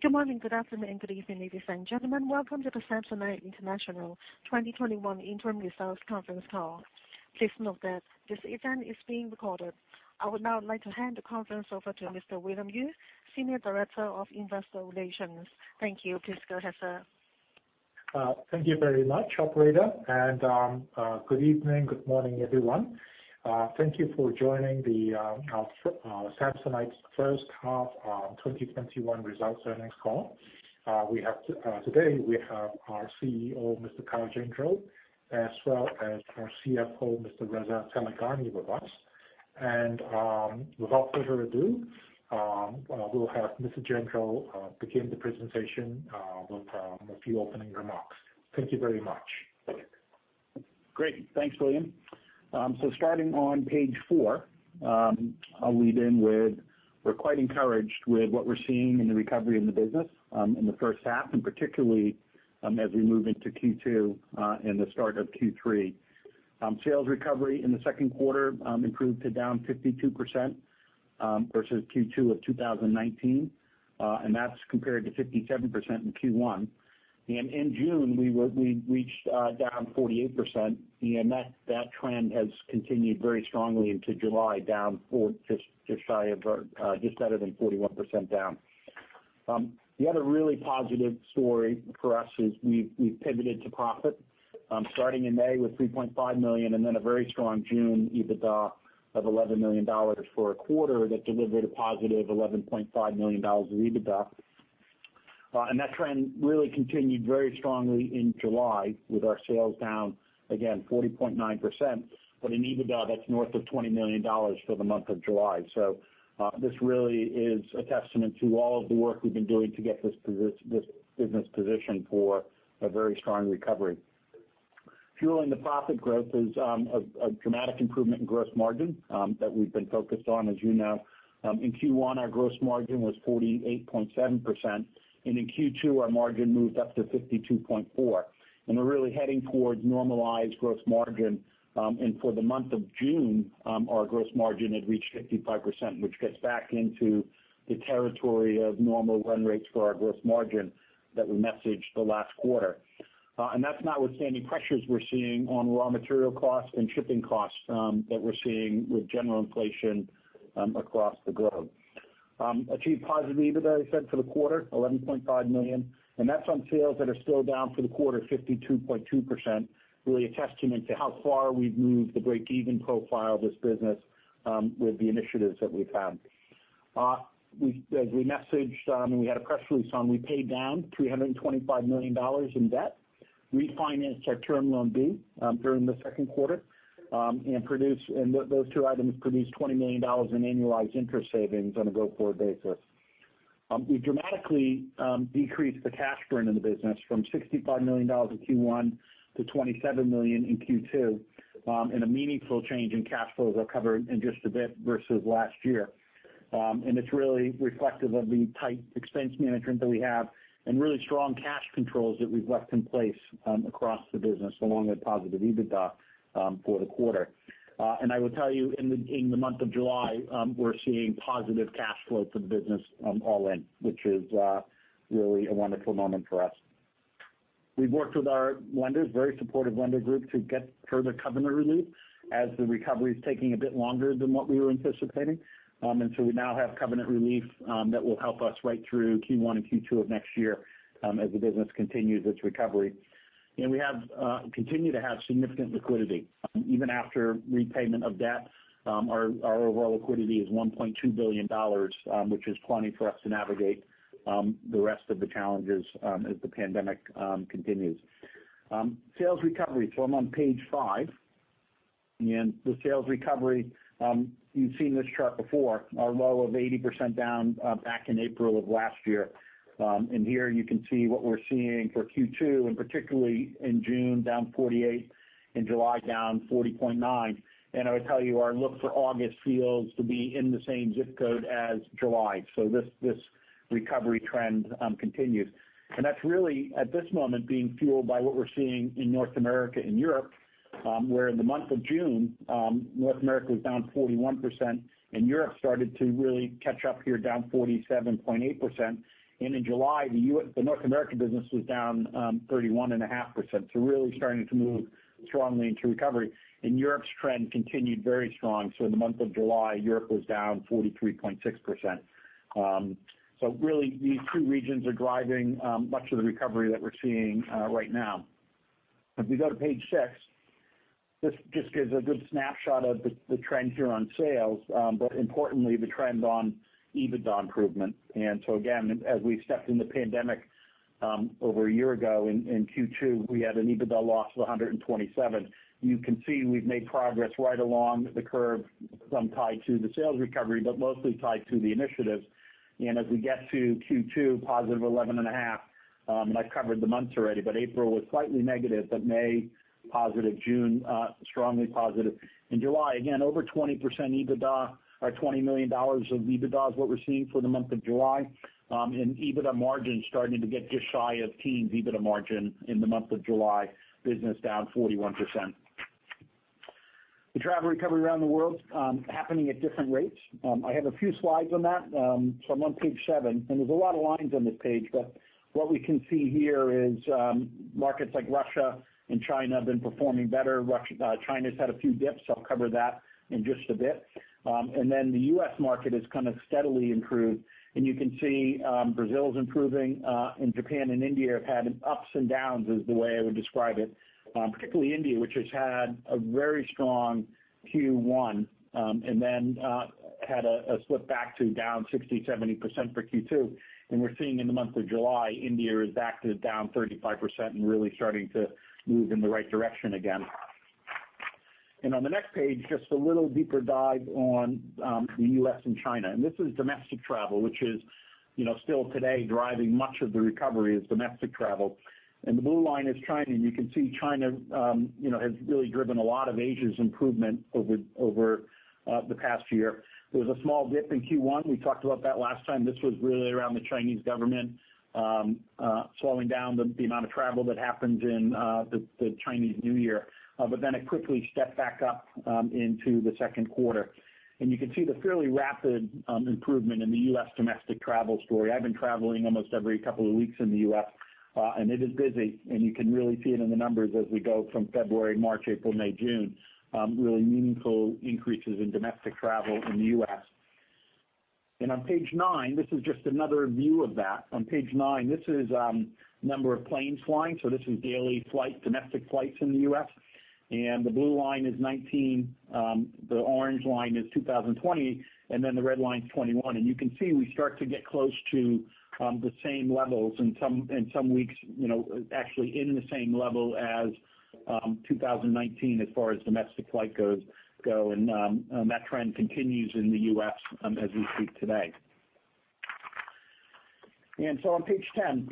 Good morning, good afternoon, and good evening, ladies and gentlemen. Welcome to the Samsonite International 2021 interim results conference call. Please note that this event is being recorded. I would now like to hand the conference over to Mr. William Yue, Senior Director of Investor Relations. Thank you. Please go ahead, sir. Thank you very much, operator, good evening, good morning, everyone. Thank you for joining Samsonite's first half 2021 results earnings call. Today we have our CEO, Mr. Kyle Gendreau, as well as our CFO, Mr. Reza Taleghani, with us. Without further ado, we'll have Mr. Gendreau begin the presentation with a few opening remarks. Thank you very much. Thanks, William. Starting on page four, I'll lead in with we're quite encouraged with what we're seeing in the recovery in the business in the first half, and particularly as we move into Q2 and the start of Q3. Sales recovery in the second quarter improved to down 52% versus Q2 of 2019, and that's compared to 57% in Q1. In June, we reached down 48%, and that trend has continued very strongly into July, just better than 41% down. The other really positive story for us is we've pivoted to profit starting in May with $3.5 million and then a very strong June EBITDA of $11 million for a quarter that delivered a positive $11.5 million of EBITDA. That trend really continued very strongly in July with our sales down, again, 40.9%, but in EBITDA, that's north of $20 million for the month of July. This really is a testament to all of the work we've been doing to get this business positioned for a very strong recovery. Fueling the profit growth is a dramatic improvement in gross margin that we've been focused on, as you know. In Q1, our gross margin was 48.7%, and in Q2, our margin moved up to 52.4%. We're really heading towards normalized gross margin. For the month of June, our gross margin had reached 55%, which gets back into the territory of normal run rates for our gross margin that we messaged the last quarter. That's notwithstanding pressures we're seeing on raw material costs and shipping costs that we're seeing with general inflation across the globe. Achieved positive EBITDA, as I said, for the quarter, $11.5 million, and that's on sales that are still down for the quarter, 52.2%, really a testament to how far we've moved the break-even profile of this business with the initiatives that we've had. As we messaged, and we had a press release on, we paid down $325 million in debt, refinanced our Term Loan B during the second quarter, and those two items produced $20 million in annualized interest savings on a go-forward basis. We dramatically decreased the cash burn in the business from $65 million in Q1 to $27 million in Q2, and a meaningful change in cash flow that I'll cover in just a bit versus last year. It's really reflective of the tight expense management that we have and really strong cash controls that we've left in place across the business along with positive EBITDA for the quarter. I will tell you in the month of July, we're seeing positive cash flow for the business all in, which is really a wonderful moment for us. We've worked with our lenders, very supportive lender group, to get further covenant relief as the recovery is taking a bit longer than what we were anticipating. We now have covenant relief that will help us right through Q1 and Q2 of next year as the business continues its recovery. We continue to have significant liquidity. Even after repayment of debt, our overall liquidity is $1.2 billion, which is plenty for us to navigate the rest of the challenges as the pandemic continues. Sales recovery. I'm on page five. The sales recovery, you've seen this chart before, our low of 80% down back in April of last year. Here you can see what we're seeing for Q2, particularly in June, down 48%, in July, down 40.9%. I would tell you, our look for August feels to be in the same ZIP code as July. This recovery trend continues. That's really, at this moment, being fueled by what we're seeing in North America and Europe, where in the month of June, North America was down 41%, and Europe started to really catch up here, down 47.8%. In July, the North American business was down 31.5%, so really starting to move strongly into recovery. Europe's trend continued very strong. In the month of July, Europe was down 43.6%. Really, these two regions are driving much of the recovery that we're seeing right now. If we go to page six, this just gives a good snapshot of the trend here on sales, but importantly, the trend on EBITDA improvement. Again, as we stepped in the pandemic over a year ago in Q2, we had an EBITDA loss of $127. You can see we've made progress right along the curve, some tied to the sales recovery, but mostly tied to the initiatives. As we get to Q2, positive $11.5, and I've covered the months already, but April was slightly negative, but May positive, June strongly positive. In July, again, over 20% EBITDA or $20 million of EBITDA is what we're seeing for the month of July. EBITDA margin starting to get just shy of teen EBITDA margin in the month of July, business down 41%. The travel recovery around the world is happening at different rates. I have a few slides on that. I'm on page seven. There's a lot of lines on this page. What we can see here is markets like Russia and China have been performing better. China's had a few dips. I'll cover that in just a bit. The U.S. market has kind of steadily improved. You can see Brazil's improving. Japan and India have had ups and downs, is the way I would describe it. Particularly India, which has had a very strong Q1, had a slip back to down 60%-70% for Q2. We're seeing in the month of July, India is back to down 35% and really starting to move in the right direction again. On the next page, just a little deeper dive on the U.S. and China. This is domestic travel, which is still today driving much of the recovery, is domestic travel. The blue line is China, and you can see China has really driven a lot of Asia's improvement over the past year. There was a small dip in Q1. We talked about that last time. This was really around the Chinese government slowing down the amount of travel that happens in the Chinese New Year. It quickly stepped back up into the second quarter. You can see the fairly rapid improvement in the U.S. domestic travel story. I've been traveling almost every couple of weeks in the U.S., and it is busy, and you can really see it in the numbers as we go from February, March, April, May, June. Really meaningful increases in domestic travel in the U.S. On page nine, this is just another view of that. On page nine, this is number of planes flying. This is daily domestic flights in the U.S. The blue line is 2019, the orange line is 2020, and then the red line is 2021. You can see we start to get close to the same levels and some weeks actually in the same level as 2019 as far as domestic flights go and that trend continues in the U.S. as we speak today. On page 10.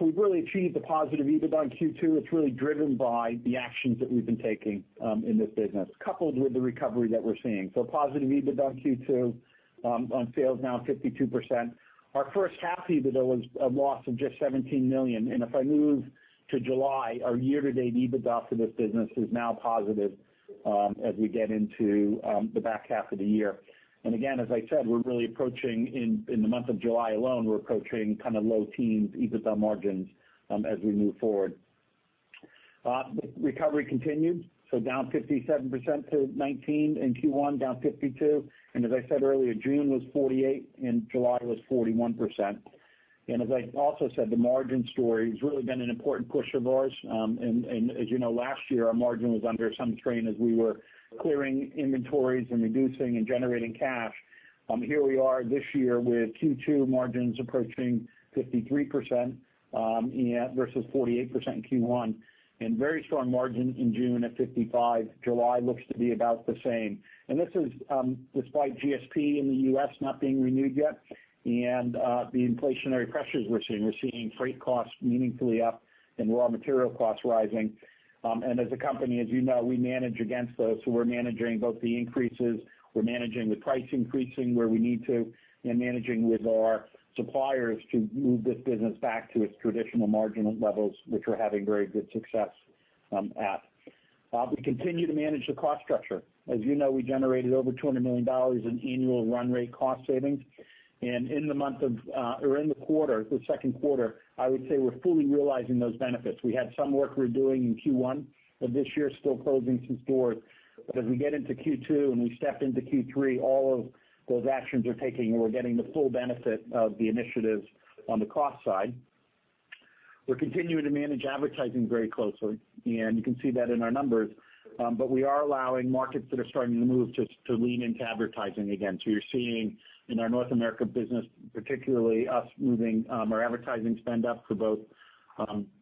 We've really achieved a positive EBITDA in Q2. It's really driven by the actions that we've been taking in this business, coupled with the recovery that we're seeing. Positive EBITDA in Q2. On sales now 52%. Our first half EBITDA was a loss of just $17 million. If I move to July, our year-to-date EBITDA for this business is now positive as we get into the back half of the year. Again, as I said, in the month of July alone, we're approaching kind of low teens EBITDA margins as we move forward. Recovery continued, down 57% to '19. In Q1 down 52%. As I said earlier, June was 48% and July was 41%. As I also said, the margin story has really been an important push of ours. As you know, last year our margin was under some strain as we were clearing inventories and reducing and generating cash. Here we are this year with Q2 margins approaching 53% versus 48% in Q1, very strong margin in June at 55%. July looks to be about the same. This is despite GSP in the U.S. not being renewed yet and the inflationary pressures we're seeing. We're seeing freight costs meaningfully up and raw material costs rising. As a company, as you know, we manage against those. We're managing both the increases, we're managing the price increasing where we need to, managing with our suppliers to move this business back to its traditional margin levels, which we're having very good success at. We continue to manage the cost structure. As you know, we generated over $200 million in annual run rate cost savings. In the second quarter, I would say we're fully realizing those benefits. We had some work we were doing in Q1 of this year, still closing some stores. As we get into Q2 and we step into Q3, all of those actions we're taking, we're getting the full benefit of the initiatives on the cost side. We're continuing to manage advertising very closely, and you can see that in our numbers. We are allowing markets that are starting to move to lean into advertising again. You're seeing in our North America business, particularly us moving our advertising spend up for both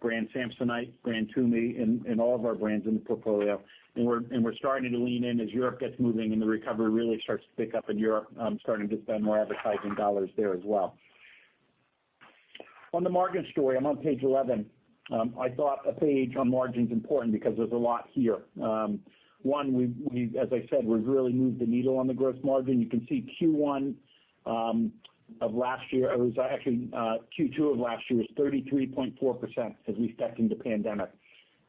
brand Samsonite, brand Tumi, and all of our brands in the portfolio. We're starting to lean in as Europe gets moving and the recovery really starts to pick up in Europe, starting to spend more advertising dollars there as well. On the margin story, I'm on page 11. I thought a page on margin's important because there's a lot here. One, as I said, we've really moved the needle on the gross margin. You can see Q1 of last year. Actually, Q2 of last year was 33.4% as we stepped into pandemic.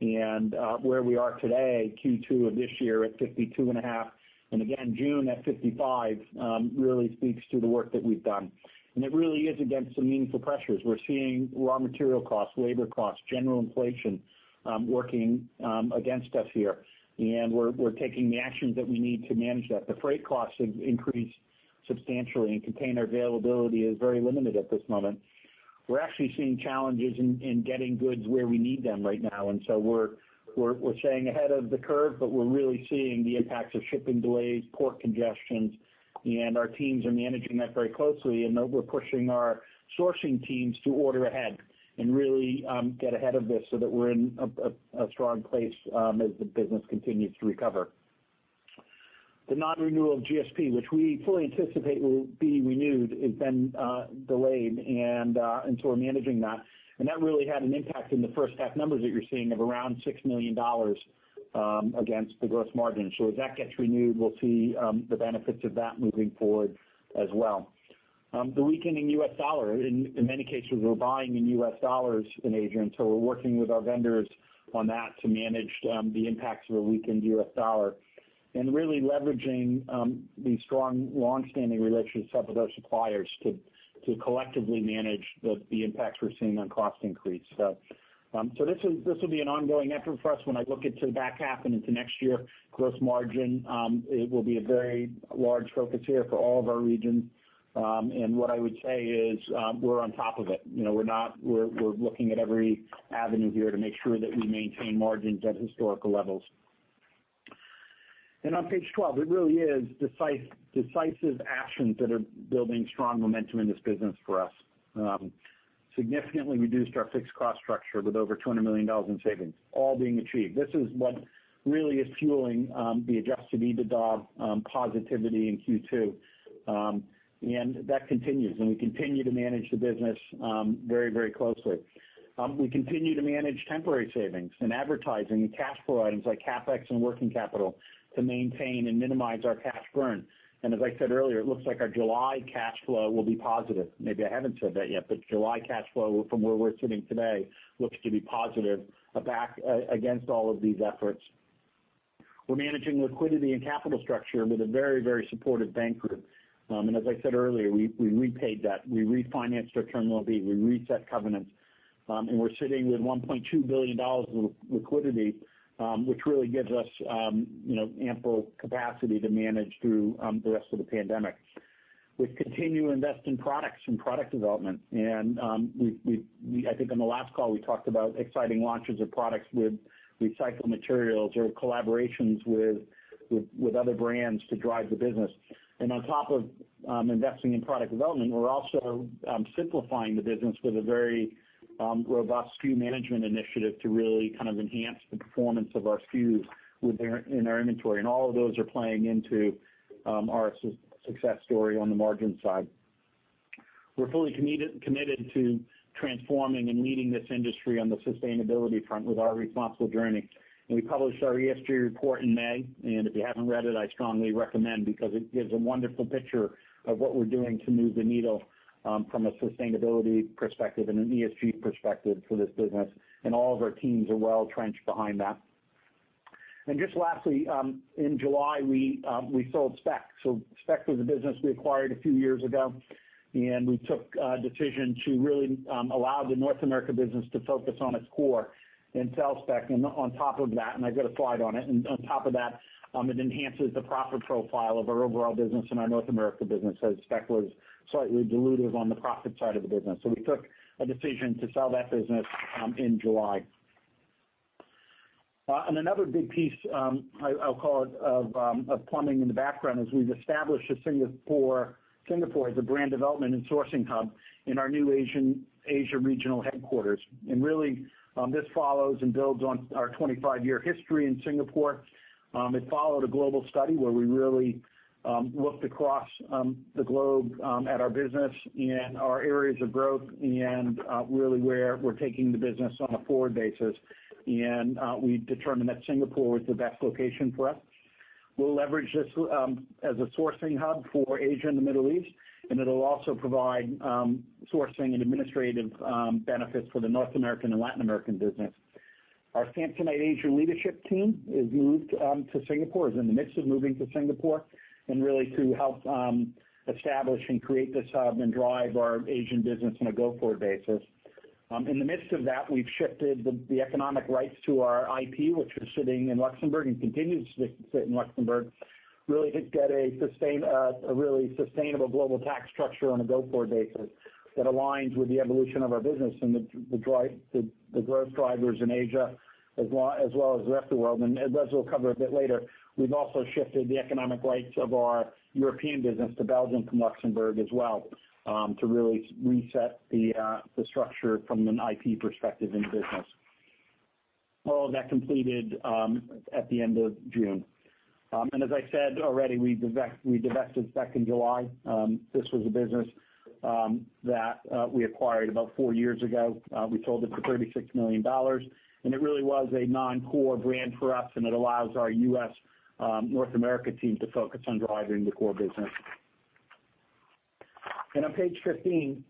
Where we are today, Q2 of this year at 52.5%, again, June at 55%, really speaks to the work that we've done. It really is against some meaningful pressures. We're seeing raw material costs, labor costs, general inflation, working against us here. We're taking the actions that we need to manage that. The freight costs have increased substantially, and container availability is very limited at this moment. We're actually seeing challenges in getting goods where we need them right now, we're staying ahead of the curve, we're really seeing the impacts of shipping delays, port congestions, and our teams are managing that very closely. We're pushing our sourcing teams to order ahead and really get ahead of this so that we're in a strong place as the business continues to recover. The non-renewal of GSP, which we fully anticipate will be renewed, has been delayed we're managing that. That really had an impact in the first half numbers that you're seeing of around $6 million against the gross margin. As that gets renewed, we'll see the benefits of that moving forward as well. The weakening U.S. dollar. In many cases, we're buying in U.S. dollars in Asia, and so we're working with our vendors on that to manage the impacts of a weakened U.S. dollar and really leveraging the strong, longstanding relationships with our suppliers to collectively manage the impacts we're seeing on cost increase. This will be an ongoing effort for us when I look into the back half and into next year. Gross margin, it will be a very large focus here for all of our regions. What I would say is we're on top of it. We're looking at every avenue here to make sure that we maintain margins at historical levels. On page 12, it really is decisive actions that are building strong momentum in this business for us. Significantly reduced our fixed cost structure with over $200 million in savings, all being achieved. This is what really is fueling the adjusted EBITDA positivity in Q2. That continues, we continue to manage the business very closely. We continue to manage temporary savings in advertising and cash flow items like CapEx and working capital to maintain and minimize our cash burn. As I said earlier, it looks like our July cash flow will be positive. Maybe I haven't said that yet, July cash flow, from where we're sitting today, looks to be positive against all of these efforts. We're managing liquidity and capital structure with a very supportive bank group. As I said earlier, we repaid debt. We refinanced our Term Loan B, we reset covenants. We're sitting with $1.2 billion of liquidity, which really gives us ample capacity to manage through the rest of the pandemic. We've continued to invest in products and product development, I think on the last call, we talked about exciting launches of products with recycled materials or collaborations with other brands to drive the business. On top of investing in product development, we're also simplifying the business with a very robust SKU management initiative to really enhance the performance of our SKUs in our inventory. All of those are playing into our success story on the margin side. We're fully committed to transforming and leading this industry on the sustainability front with our responsible journey. We published our ESG report in May, if you haven't read it, I strongly recommend because it gives a wonderful picture of what we're doing to move the needle from a sustainability perspective and an ESG perspective for this business. All of our teams are well-trenched behind that. Just lastly, in July, we sold Speck. Speck was a business we acquired a few years ago, and we took a decision to really allow the North America business to focus on its core and sell Speck. On top of that, and I've got a slide on it enhances the profit profile of our overall business and our North America business, as Speck was slightly dilutive on the profit side of the business. We took a decision to sell that business in July. Another big piece, I'll call it, of plumbing in the background is we've established Singapore as a brand development and sourcing hub in our new Asia regional headquarters. Really, this follows and builds on our 25-year history in Singapore. It followed a global study where we really looked across the globe at our business and our areas of growth and really where we're taking the business on a forward basis. We determined that Singapore was the best location for us. We'll leverage this as a sourcing hub for Asia and the Middle East, and it'll also provide sourcing and administrative benefits for the North American and Latin American business. Our Samsonite Asia leadership team is moved to Singapore, is in the midst of moving to Singapore, and really to help establish and create this hub and drive our Asian business on a go-forward basis. In the midst of that, we've shifted the economic rights to our IP, which was sitting in Luxembourg and continues to sit in Luxembourg, really to get a really sustainable global tax structure on a go-forward basis that aligns with the evolution of our business and the growth drivers in Asia as well as the rest of the world. As we'll cover a bit later, we've also shifted the economic rights of our European business to Belgium from Luxembourg as well to really reset the structure from an IP perspective in the business. All of that completed at the end of June. As I said already, we divested Speck in July. This was a business that we acquired about four years ago. We sold it for $36 million, and it really was a non-core brand for us, and it allows our North America team to focus on driving the core business. On page 15,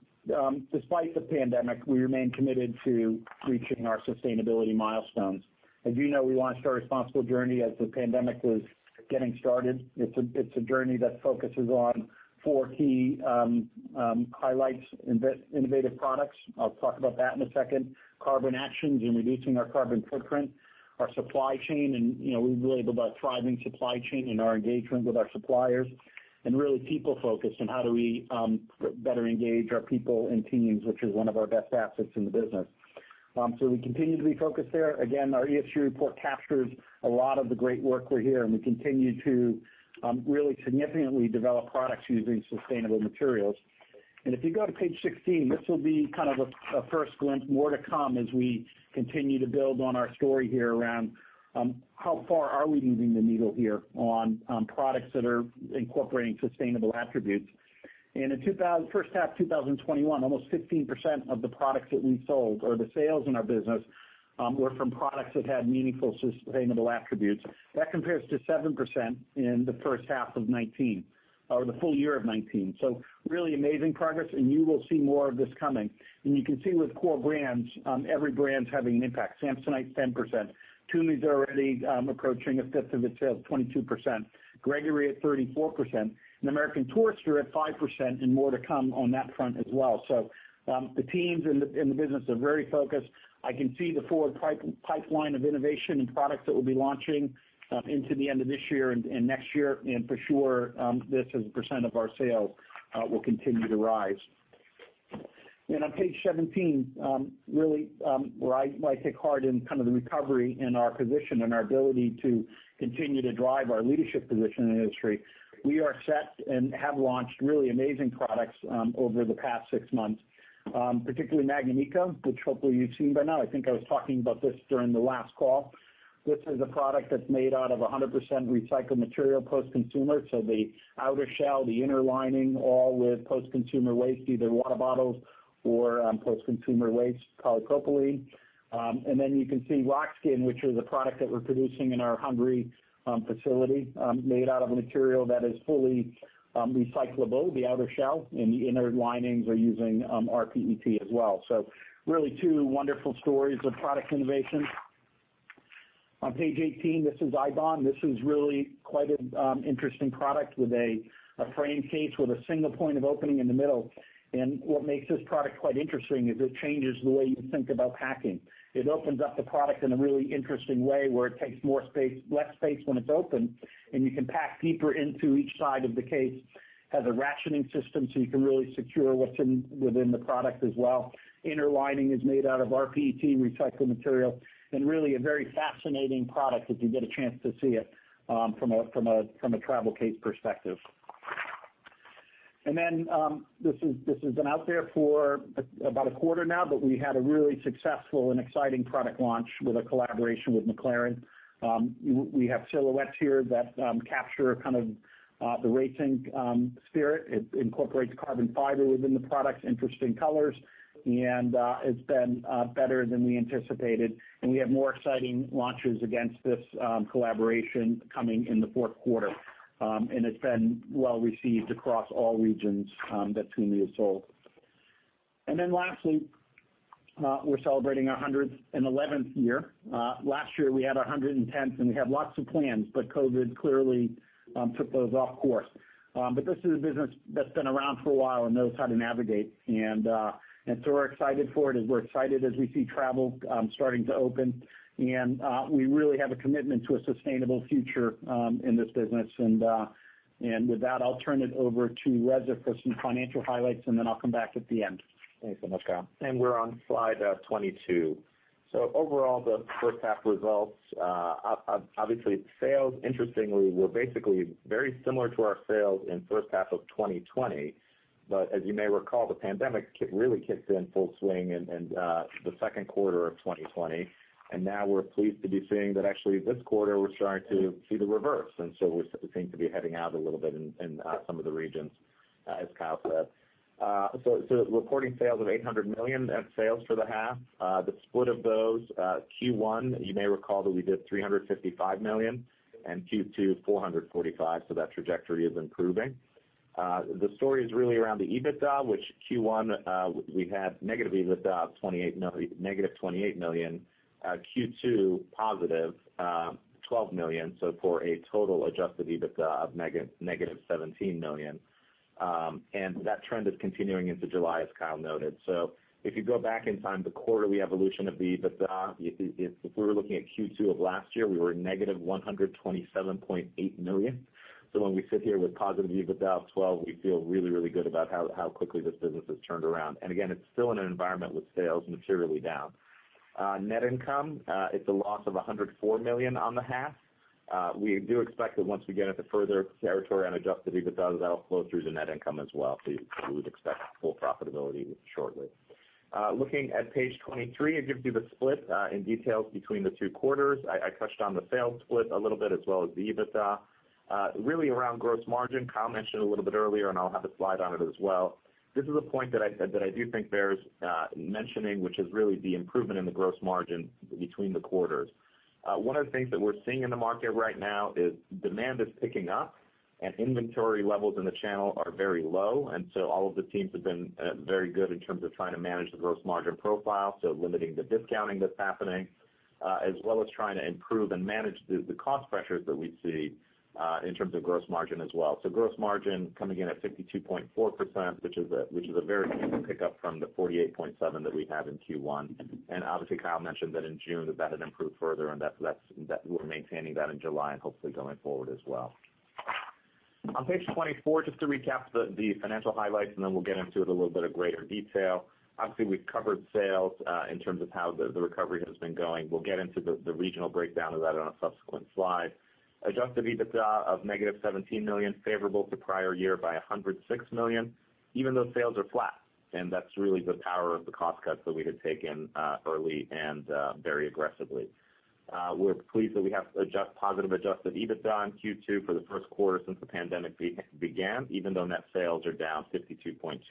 despite the pandemic, we remain committed to reaching our sustainability milestones. As you know, we launched our Responsible Journey as the pandemic was getting started. It's a journey that focuses on four key highlights. Innovative products, I'll talk about that in a second. Carbon actions and reducing our carbon footprint. Our supply chain. We're really about thriving supply chain and our engagement with our suppliers. Really people-focused and how do we better engage our people and teams, which is one of our best assets in the business. We continue to be focused there. Our ESG report captures a lot of the great work we're here, and we continue to really significantly develop products using sustainable materials. If you go to page 16, this will be a first glimpse, more to come as we continue to build on our story here around how far are we moving the needle here on products that are incorporating sustainable attributes. In the first half of 2021, almost 15% of the products that we sold, or the sales in our business, were from products that had meaningful sustainable attributes. That compares to 7% in the first half of 2019 or the full year of 2019. Really amazing progress, and you will see more of this coming. You can see with core brands, every brand is having an impact. Samsonite, 10%. Tumi's already approaching a fifth of its sales, 22%. Gregory at 34%, American Tourister at 5%, and more to come on that front as well. The teams in the business are very focused. I can see the forward pipeline of innovation and products that we'll be launching into the end of this year and next year. For sure, this as a percent of our sales will continue to rise. On page 17, really, where I take heart in the recovery in our position and our ability to continue to drive our leadership position in the industry. We are set and have launched really amazing products over the past six months, particularly Magnum Eco, which hopefully you've seen by now. I think I was talking about this during the last call. This is a product that's made out of 100% recycled material, post-consumer. The outer shell, the inner lining, all with post-consumer waste, either water bottles or post-consumer waste polypropylene. Then you can see Roxkin, which is a product that we're producing in our Hungary facility, made out of a material that is fully recyclable, the outer shell, and the inner linings are using rPET as well. Really two wonderful stories of product innovation. On page 18, this is IBON. This is really quite an interesting product with a frame case with a single point of opening in the middle. What makes this product quite interesting is it changes the way you think about packing. It opens up the product in a really interesting way where it takes less space when it's open, and you can pack deeper into each side of the case. It has a rationing system, so you can really secure what's within the product as well. Inner lining is made out of rPET recycled material, really a very fascinating product if you get a chance to see it from a travel case perspective. This has been out there for about a quarter now, but we had a really successful and exciting product launch with a collaboration with McLaren. We have silhouettes here that capture the racing spirit. It incorporates carbon fiber within the products, interesting colors, and it's been better than we anticipated. We have more exciting launches against this collaboration coming in the fourth quarter. It's been well-received across all regions that Tumi has sold. Lastly, we're celebrating our 111th year. Last year, we had our 110th, and we had lots of plans, but COVID clearly took those off course. This is a business that's been around for a while and knows how to navigate. We're excited for it, as we're excited as we see travel starting to open. We really have a commitment to a sustainable future in this business. With that, I'll turn it over to Reza for some financial highlights, and then I'll come back at the end. Thanks so much, Kyle. We're on slide 22. Overall, the first half results, obviously sales, interestingly, were basically very similar to our sales in first half of 2020. As you may recall, the pandemic really kicked in full swing in the second quarter of 2020. Now we're pleased to be seeing that actually this quarter we're starting to see the reverse. We seem to be heading out a little bit in some of the regions, as Kyle said. Reporting sales of $800 million in sales for the half. The split of those, Q1, you may recall that we did $355 million and Q2, $445 million. That trajectory is improving. The story is really around the EBITDA, which Q1, we had negative EBITDA of -$28 million. Q2, +$12 million, for a total adjusted EBITDA of -$17 million. That trend is continuing into July, as Kyle noted. If you go back in time, the quarterly evolution of the EBITDA, if we were looking at Q2 of last year, we were -$127.8 million. When we sit here with positive EBITDA of $12, we feel really, really good about how quickly this business has turned around. Again, it's still in an environment with sales materially down. Net income, it's a loss of $104 million on the half. We do expect that once we get into further territory on adjusted EBITDA, that'll flow through to net income as well. We would expect full profitability shortly. Looking at page 23, it gives you the split in details between the two quarters. I touched on the sales split a little bit as well as the EBITDA. Really around gross margin, Kyle mentioned a little bit earlier, and I'll have a slide on it as well. This is a point that I do think bears mentioning, which is really the improvement in the gross margin between the quarters. One of the things that we're seeing in the market right now is demand is picking up and inventory levels in the channel are very low. All of the teams have been very good in terms of trying to manage the gross margin profile, so limiting the discounting that's happening, as well as trying to improve and manage the cost pressures that we see in terms of gross margin as well. Gross margin coming in at 52.4%, which is a very nice pickup from the 48.7% that we had in Q1. Obviously, Kyle mentioned that in June that had improved further, and we're maintaining that in July and hopefully going forward as well. On page 24, just to recap the financial highlights, and then we'll get into it a little bit of greater detail. Obviously, we've covered sales in terms of how the recovery has been going. We'll get into the regional breakdown of that on a subsequent slide. Adjusted EBITDA of -$17 million, favorable to prior year by $106 million, even though sales are flat. That's really the power of the cost cuts that we had taken early and very aggressively. We're pleased that we have positive adjusted EBITDA in Q2 for the first quarter since the pandemic began, even though net sales are down 52.2%.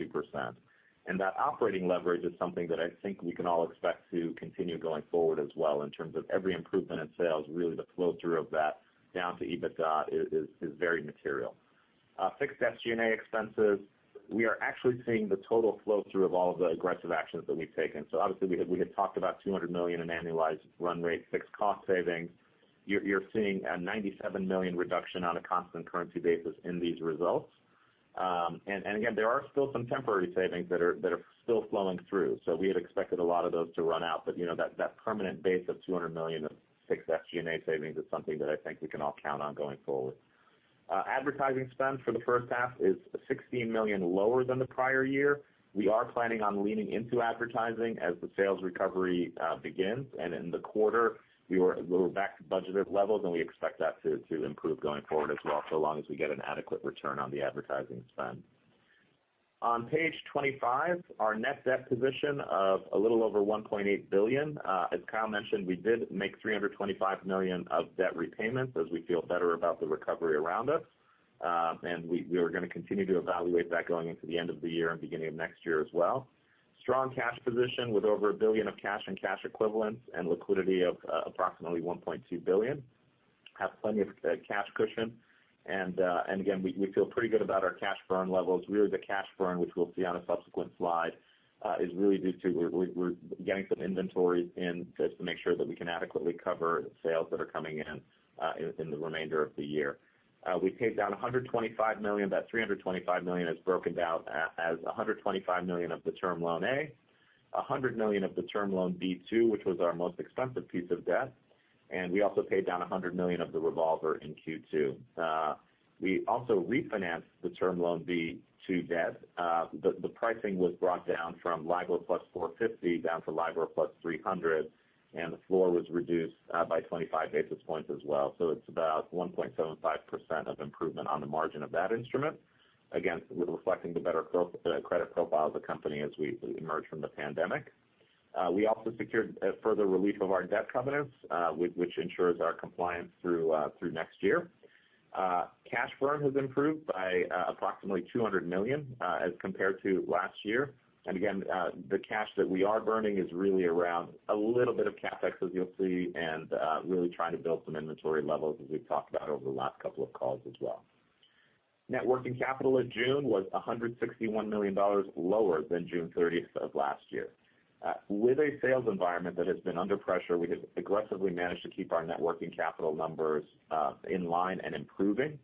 That operating leverage is something that I think we can all expect to continue going forward as well, in terms of every improvement in sales, really the flow-through of that down to EBITDA is very material. Fixed SG&A expenses, we are actually seeing the total flow-through of all the aggressive actions that we've taken. Obviously, we had talked about $200 million in annualized run rate fixed cost savings. You're seeing a $97 million reduction on a constant currency basis in these results. Again, there are still some temporary savings that are still flowing through. We had expected a lot of those to run out. That permanent base of $200 million in fixed SG&A savings is something that I think we can all count on going forward. Advertising spend for the first half is $16 million lower than the prior year. We are planning on leaning into advertising as the sales recovery begins. In the quarter, we were a little back to budgeted levels, and we expect that to improve going forward as well, so long as we get an adequate return on the advertising spend. On page 25, our net debt position of a little over $1.8 billion. As Kyle mentioned, we did make $325 million of debt repayments as we feel better about the recovery around us. We are going to continue to evaluate that going into the end of the year and beginning of next year as well. Strong cash position with over $1 billion of cash and cash equivalents, and liquidity of approximately $1.2 billion. Have plenty of cash cushion. Again, we feel pretty good about our cash burn levels. Really the cash burn, which we'll see on a subsequent slide, is really due to we're getting some inventory in just to make sure that we can adequately cover sales that are coming in in the remainder of the year. We paid down $125 million. That $325 million is broken down as $125 million of the Term Loan A, $100 million of the Term Loan B2, which was our most expensive piece of debt, and we also paid down $100 million of the revolver in Q2. We also refinanced the Term Loan B2 debt. The pricing was brought down from LIBOR plus 4.50% down to LIBOR plus 3.00%, and the floor was reduced by 25 basis points as well. It's about 1.75% of improvement on the margin of that instrument. Again, reflecting the better credit profile of the company as we emerge from the pandemic. We also secured further relief of our debt covenants which ensures our compliance through next year. Cash burn has improved by approximately $200 million as compared to last year. Again, the cash that we are burning is really around a little bit of CapEx, as you’ll see, and really trying to build some inventory levels as we’ve talked about over the last couple of calls as well. Net working capital in June was $161 million lower than June 30th of last year. With a sales environment that has been under pressure, we have aggressively managed to keep our net working capital numbers in line and improving.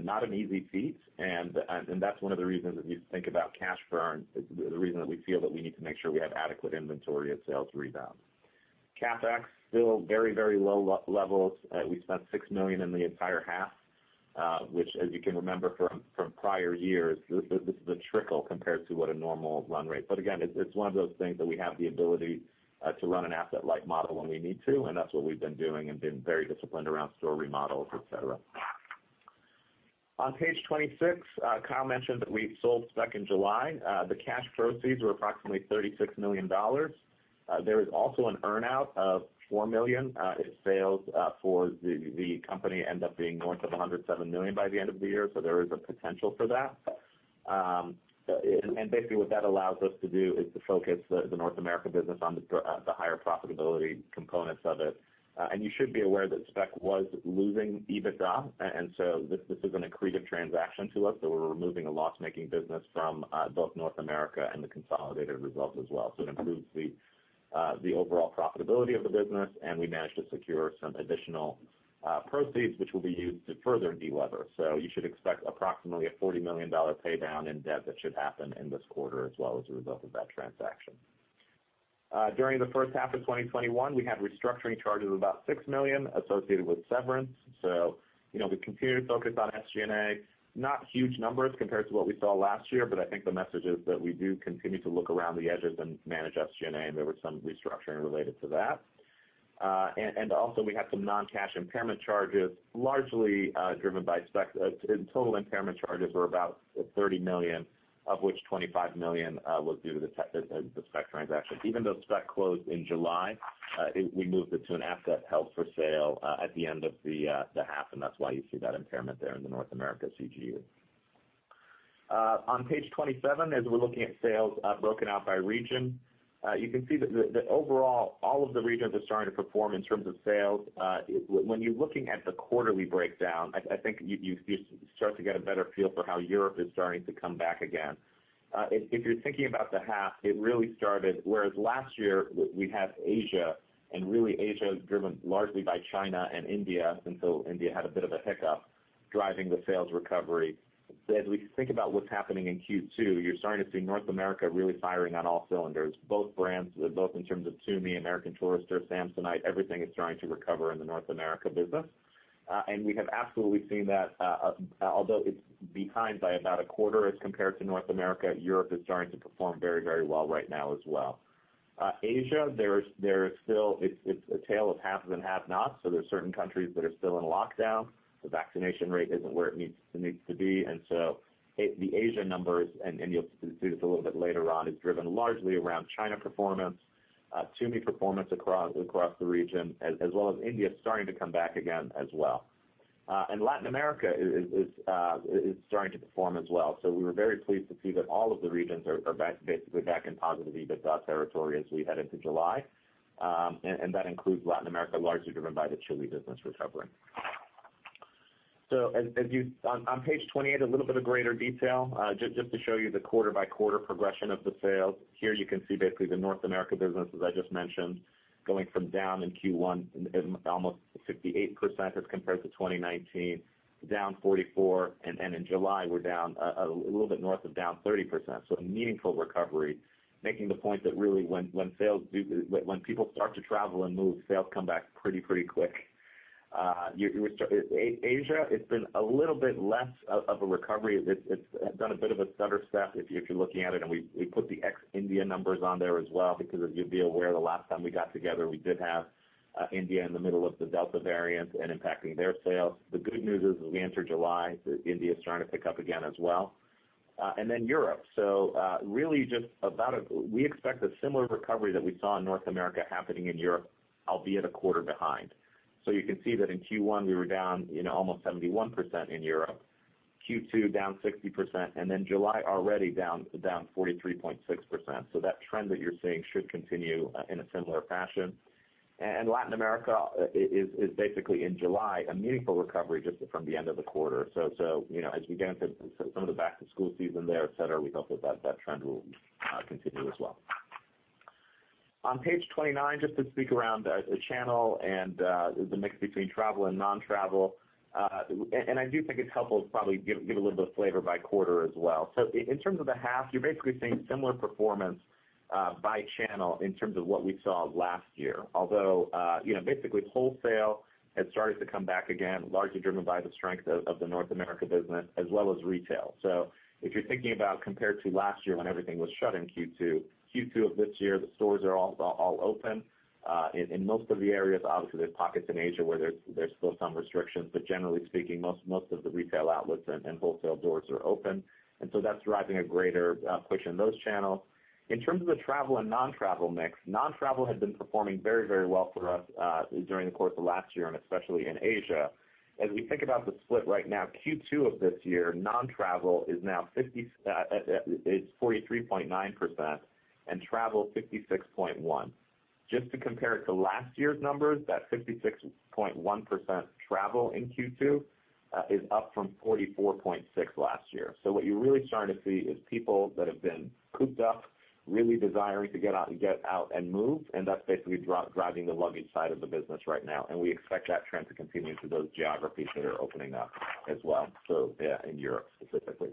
Not an easy feat, that’s one of the reasons that you think about cash burn, is the reason that we feel that we need to make sure we have adequate inventory as sales rebound. CapEx still very low levels. We spent $6 million in the entire half, which, as you can remember from prior years, this is a trickle compared to what a normal run rate. Again, it's one of those things that we have the ability to run an asset-light model when we need to, and that's what we've been doing and been very disciplined around store remodels, et cetera. On page 26, Kyle mentioned that we sold Speck in July. The cash proceeds were approximately $36 million. There is also an earn-out of $4 million if sales for the company end up being north of $107 million by the end of the year. There is a potential for that. Basically, what that allows us to do is to focus the North America business on the higher profitability components of it. You should be aware that Speck was losing EBITDA, and so this is an accretive transaction to us. We're removing a loss-making business from both North America and the consolidated results as well. It improves the overall profitability of the business, and we managed to secure some additional proceeds, which will be used to further de-lever. You should expect approximately a $40 million pay down in debt that should happen in this quarter as well as a result of that transaction. During the first half of 2021, we had restructuring charges of about $6 million associated with severance. We continued to focus on SG&A. Not huge numbers compared to what we saw last year, but I think the message is that we do continue to look around the edges and manage SG&A, and there was some restructuring related to that. Also, we had some non-cash impairment charges, largely driven by Speck. In total, impairment charges were about $30 million, of which $25 million was due to the Speck transaction. Even though Speck closed in July, we moved it to an asset held for sale at the end of the half, and that's why you see that impairment there in the North America CGU. On page 27, as we're looking at sales broken out by region, you can see that overall, all of the regions are starting to perform in terms of sales. When you're looking at the quarterly breakdown, I think you start to get a better feel for how Europe is starting to come back again. If you're thinking about the half, it really started, whereas last year we had Asia. Really Asia was driven largely by China and India, until India had a bit of a hiccup, driving the sales recovery. As we think about what's happening in Q2, you're starting to see North America really firing on all cylinders. Both brands, both in terms of Tumi, American Tourister, Samsonite, everything is starting to recover in the North America business. We have absolutely seen that, although it's behind by about a quarter as compared to North America, Europe is starting to perform very well right now as well. Asia, it's a tale of haves and have-nots. There's certain countries that are still in lockdown. The vaccination rate isn't where it needs to be. The Asia numbers, and you'll see this a little bit later on, is driven largely around China performance, Tumi performance across the region, as well as India starting to come back again as well. Latin America is starting to perform as well. We were very pleased to see that all of the regions are basically back in positive EBITDA territory as we head into July. That includes Latin America, largely driven by the Chile business recovering. On page 28, a little bit of greater detail, just to show you the quarter-by-quarter progression of the sales. Here you can see basically the North America business, as I just mentioned, going from down in Q1, almost 68% as compared to 2019, down 44%. In July, we're down a little bit north of down 30%. A meaningful recovery, making the point that really when people start to travel and move, sales come back pretty quick. Asia, it's been a little bit less of a recovery. It's done a bit of a stutter step, if you're looking at it, and we put the ex-India numbers on there as well, because as you'd be aware, the last time we got together, we did have India in the middle of the Delta variant and impacting their sales. The good news is, as we enter July, India is starting to pick up again as well. Europe. We expect a similar recovery that we saw in North America happening in Europe, albeit one quarter behind. You can see that in Q1, we were down almost 71% in Europe. Q2, down 60%, and then July already down 43.6%. That trend that you're seeing should continue in a similar fashion. Latin America is basically in July, a meaningful recovery just from the end of the quarter. As we get into some of the back-to-school season there, et cetera, we hope that trend will continue as well. On page 29, just to speak around channel and the mix between travel and non-travel. I do think it's helpful to probably give a little bit of flavor by quarter as well. In terms of the half, you're basically seeing similar performance by channel in terms of what we saw last year. Although, basically wholesale has started to come back again, largely driven by the strength of the North America business as well as retail. If you're thinking about compared to last year when everything was shut in Q2 of this year, the stores are all open. In most of the areas, obviously, there's pockets in Asia where there's still some restrictions, but generally speaking, most of the retail outlets and wholesale doors are open. That's driving a greater push in those channels. In terms of the travel and non-travel mix, non-travel had been performing very well for us during the course of last year, and especially in Asia. As we think about the split right now, Q2 of this year, non-travel is 43.9%, and travel 56.1%. Just to compare it to last year's numbers, that 56.1% travel in Q2 is up from 44.6% last year. What you're really starting to see is people that have been cooped up really desiring to get out and move, and that's basically driving the luggage side of the business right now. We expect that trend to continue for those geographies that are opening up as well. Yeah, in Europe specifically.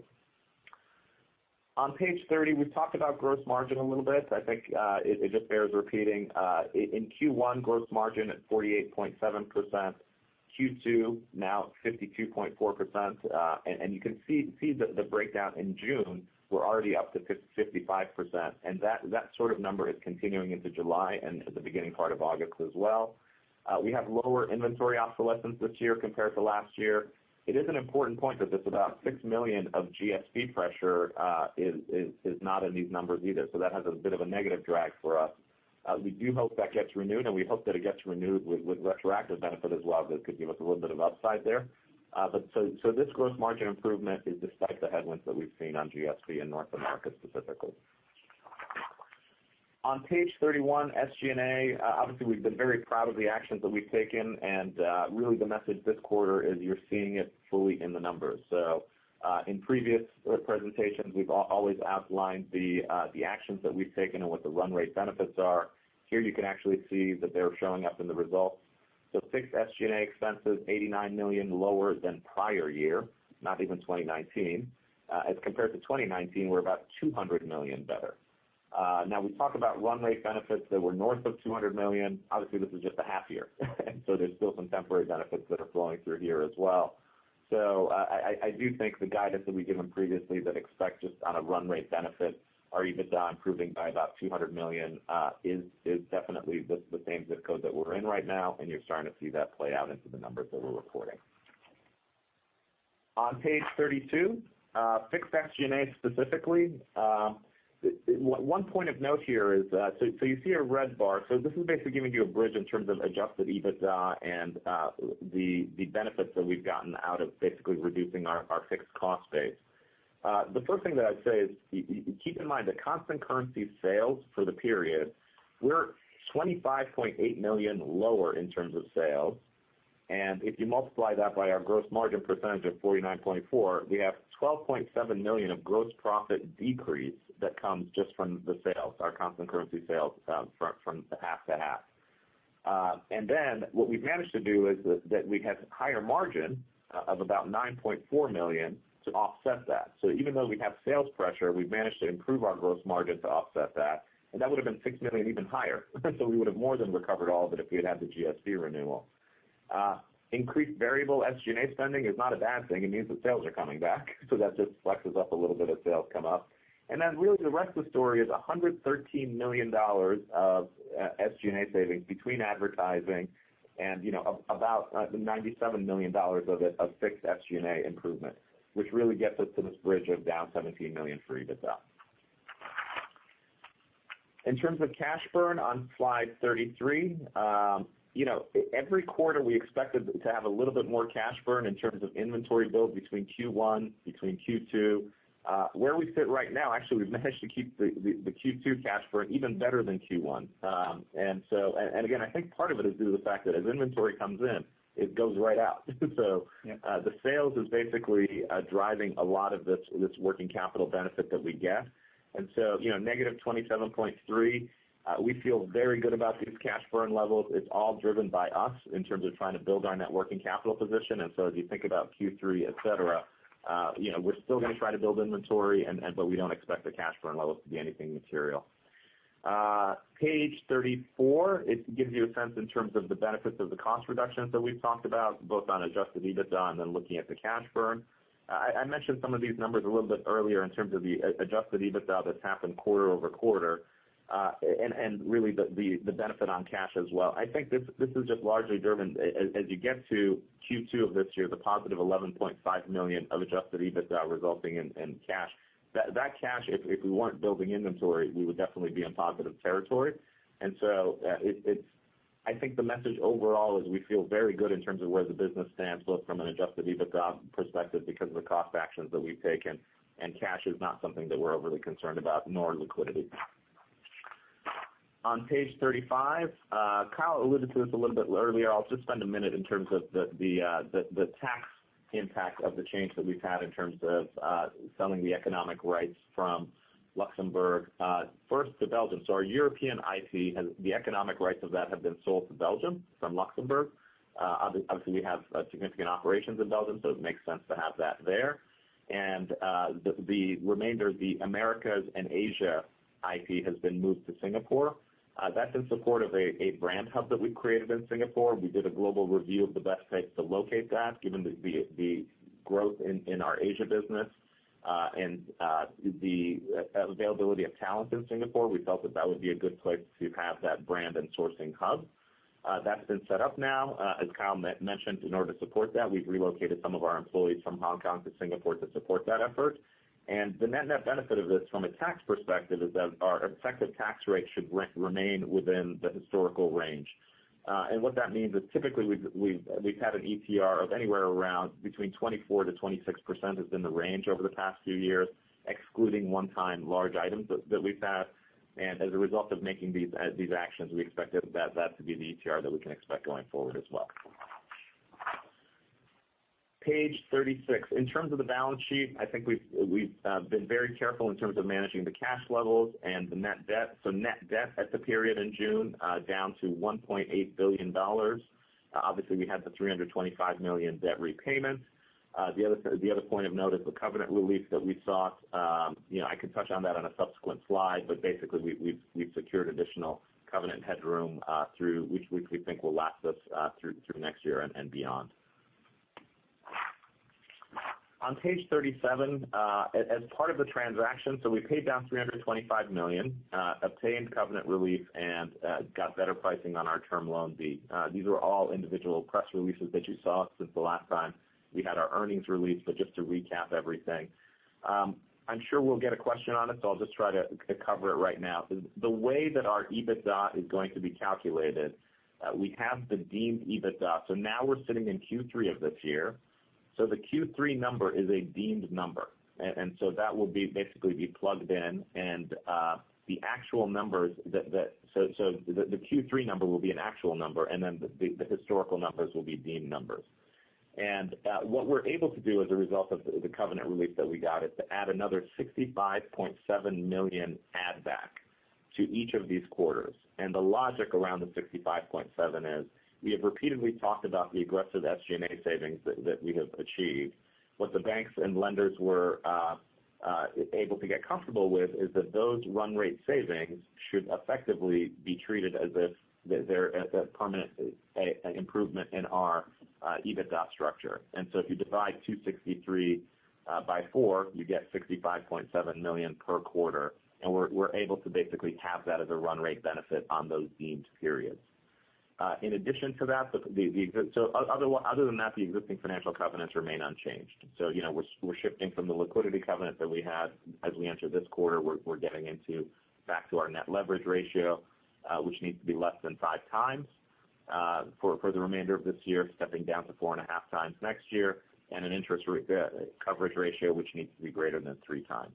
On page 30, we've talked about gross margin a little bit. I think it just bears repeating. In Q1, gross margin at 48.7%. Q2, now at 52.4%. You can see the breakdown in June, we're already up to 55%. That sort of number is continuing into July and the beginning part of August as well. We have lower inventory obsolescence this year compared to last year. It is an important point that this about $6 million of GSP pressure is not in these numbers either. That has a bit of a negative drag for us. We do hope that gets renewed, and we hope that it gets renewed with retroactive benefit as well. That could give us a little bit of upside there. This gross margin improvement is despite the headwinds that we've seen on GSP in North America specifically. On page 31, SG&A. Obviously, we've been very proud of the actions that we've taken, and really the message this quarter is you're seeing it fully in the numbers. In previous presentations, we've always outlined the actions that we've taken and what the run rate benefits are. Here you can actually see that they're showing up in the results. Fixed SG&A expenses, $89 million lower than prior year, not even 2019. As compared to 2019, we're about $200 million better. We talk about run rate benefits that were north of $200 million. Obviously, this is just a half year. There's still some temporary benefits that are flowing through here as well. I do think the guidance that we've given previously that expect just on a run rate benefit or EBITDA improving by about $200 million is definitely the same ZIP code that we're in right now, and you're starting to see that play out into the numbers that we're reporting. On page 32, fixed SG&A specifically. One point of note here is, you see a red bar. This is basically giving you a bridge in terms of adjusted EBITDA and the benefits that we've gotten out of basically reducing our fixed cost base. The first thing that I'd say is, keep in mind that constant currency sales for the period, we're $25.8 million lower in terms of sales. If you multiply that by our gross margin percentage of 49.4%, we have $12.7 million of gross profit decrease that comes just from the sales, our constant currency sales from half to half. Then what we've managed to do is that we had higher margin of about $9.4 million to offset that. Even though we have sales pressure, we've managed to improve our gross margin to offset that. That would've been $6 million even higher, so we would've more than recovered all of it if we had had the GSP renewal. Increased variable SG&A spending is not a bad thing. It means that sales are coming back, so that just flexes up a little bit as sales come up. Then really the rest of the story is $113 million of SG&A savings between advertising and about $97 million of it, of fixed SG&A improvement, which really gets us to this bridge of down $17 million for EBITDA. In terms of cash burn on slide 33, every quarter we expected to have a little bit more cash burn in terms of inventory build between Q1, between Q2. Where we sit right now, actually, we've managed to keep the Q2 cash burn even better than Q1. Again, I think part of it is due to the fact that as inventory comes in, it goes right out. Yeah The sales is basically driving a lot of this working capital benefit that we get. -$27.3, we feel very good about these cash burn levels. It's all driven by us in terms of trying to build our net working capital position. As you think about Q3, et cetera, we're still going to try to build inventory, but we don't expect the cash burn levels to be anything material. Page 34, it gives you a sense in terms of the benefits of the cost reductions that we've talked about, both on adjusted EBITDA and then looking at the cash burn. I mentioned some of these numbers a little bit earlier in terms of the adjusted EBITDA that's happened quarter-over-quarter, and really the benefit on cash as well. I think this is just largely driven, as you get to Q2 of this year, the positive $11.5 million of adjusted EBITDA resulting in cash. That cash, if we weren't building inventory, we would definitely be in positive territory. I think the message overall is we feel very good in terms of where the business stands, both from an adjusted EBITDA perspective because of the cost actions that we've taken, and cash is not something that we're overly concerned about, nor liquidity. On page 35, Kyle alluded to this a little bit earlier. I'll just spend a minute in terms of the tax impact of the change that we've had in terms of selling the economic rights from Luxembourg, first to Belgium. Our European IP, the economic rights of that have been sold to Belgium from Luxembourg. Obviously, we have significant operations in Belgium, so it makes sense to have that there. The remainder, the Americas and Asia IP, has been moved to Singapore. That's in support of a brand hub that we've created in Singapore. We did a global review of the best place to locate that, given the growth in our Asia business, and the availability of talent in Singapore. We felt that that would be a good place to have that brand and sourcing hub. That's been set up now. As Kyle mentioned, in order to support that, we've relocated some of our employees from Hong Kong to Singapore to support that effort. The net-net benefit of this from a tax perspective is that our effective tax rate should remain within the historical range. What that means is typically, we've had an ETR of anywhere around between 24%-26%, has been the range over the past few years, excluding one-time large items that we've had. As a result of making these actions, we expect that to be the ETR that we can expect going forward as well. Page 36. In terms of the balance sheet, I think we've been very careful in terms of managing the cash levels and the net debt. Net debt at the period in June, down to $1.8 billion. Obviously, we had the $325 million debt repayment. The other point of note is the covenant relief that we sought. I can touch on that on a subsequent slide, but basically, we've secured additional covenant headroom, which we think will last us through to next year and beyond. On page 37, as part of the transaction, we paid down $325 million, obtained covenant relief, and got better pricing on our Term Loan B. These were all individual press releases that you saw since the last time we had our earnings release. Just to recap everything. I'm sure we'll get a question on it, so I'll just try to cover it right now. The way that our EBITDA is going to be calculated, we have the deemed EBITDA. Now we're sitting in Q3 of this year. The Q3 number is a deemed number. That will basically be plugged in. The Q3 number will be an actual number, and then the historical numbers will be deemed numbers. What we're able to do as a result of the covenant relief that we got is to add another $65.7 million add back to each of these quarters. The logic around the $65.7 is we have repeatedly talked about the aggressive SG&A savings that we have achieved. What the banks and lenders were able to get comfortable with is that those run rate savings should effectively be treated as if they're a permanent improvement in our EBITDA structure. If you divide 263 by four, you get $65.7 million per quarter, and we're able to basically cap that as a run rate benefit on those deemed periods. In addition to that, other than that, the existing financial covenants remain unchanged. We're shifting from the liquidity covenant that we had. As we enter this quarter, we're getting back to our net leverage ratio, which needs to be less than 5x, for the remainder of this year, stepping down to 4.5x next year, and an interest coverage ratio, which needs to be greater than 3x.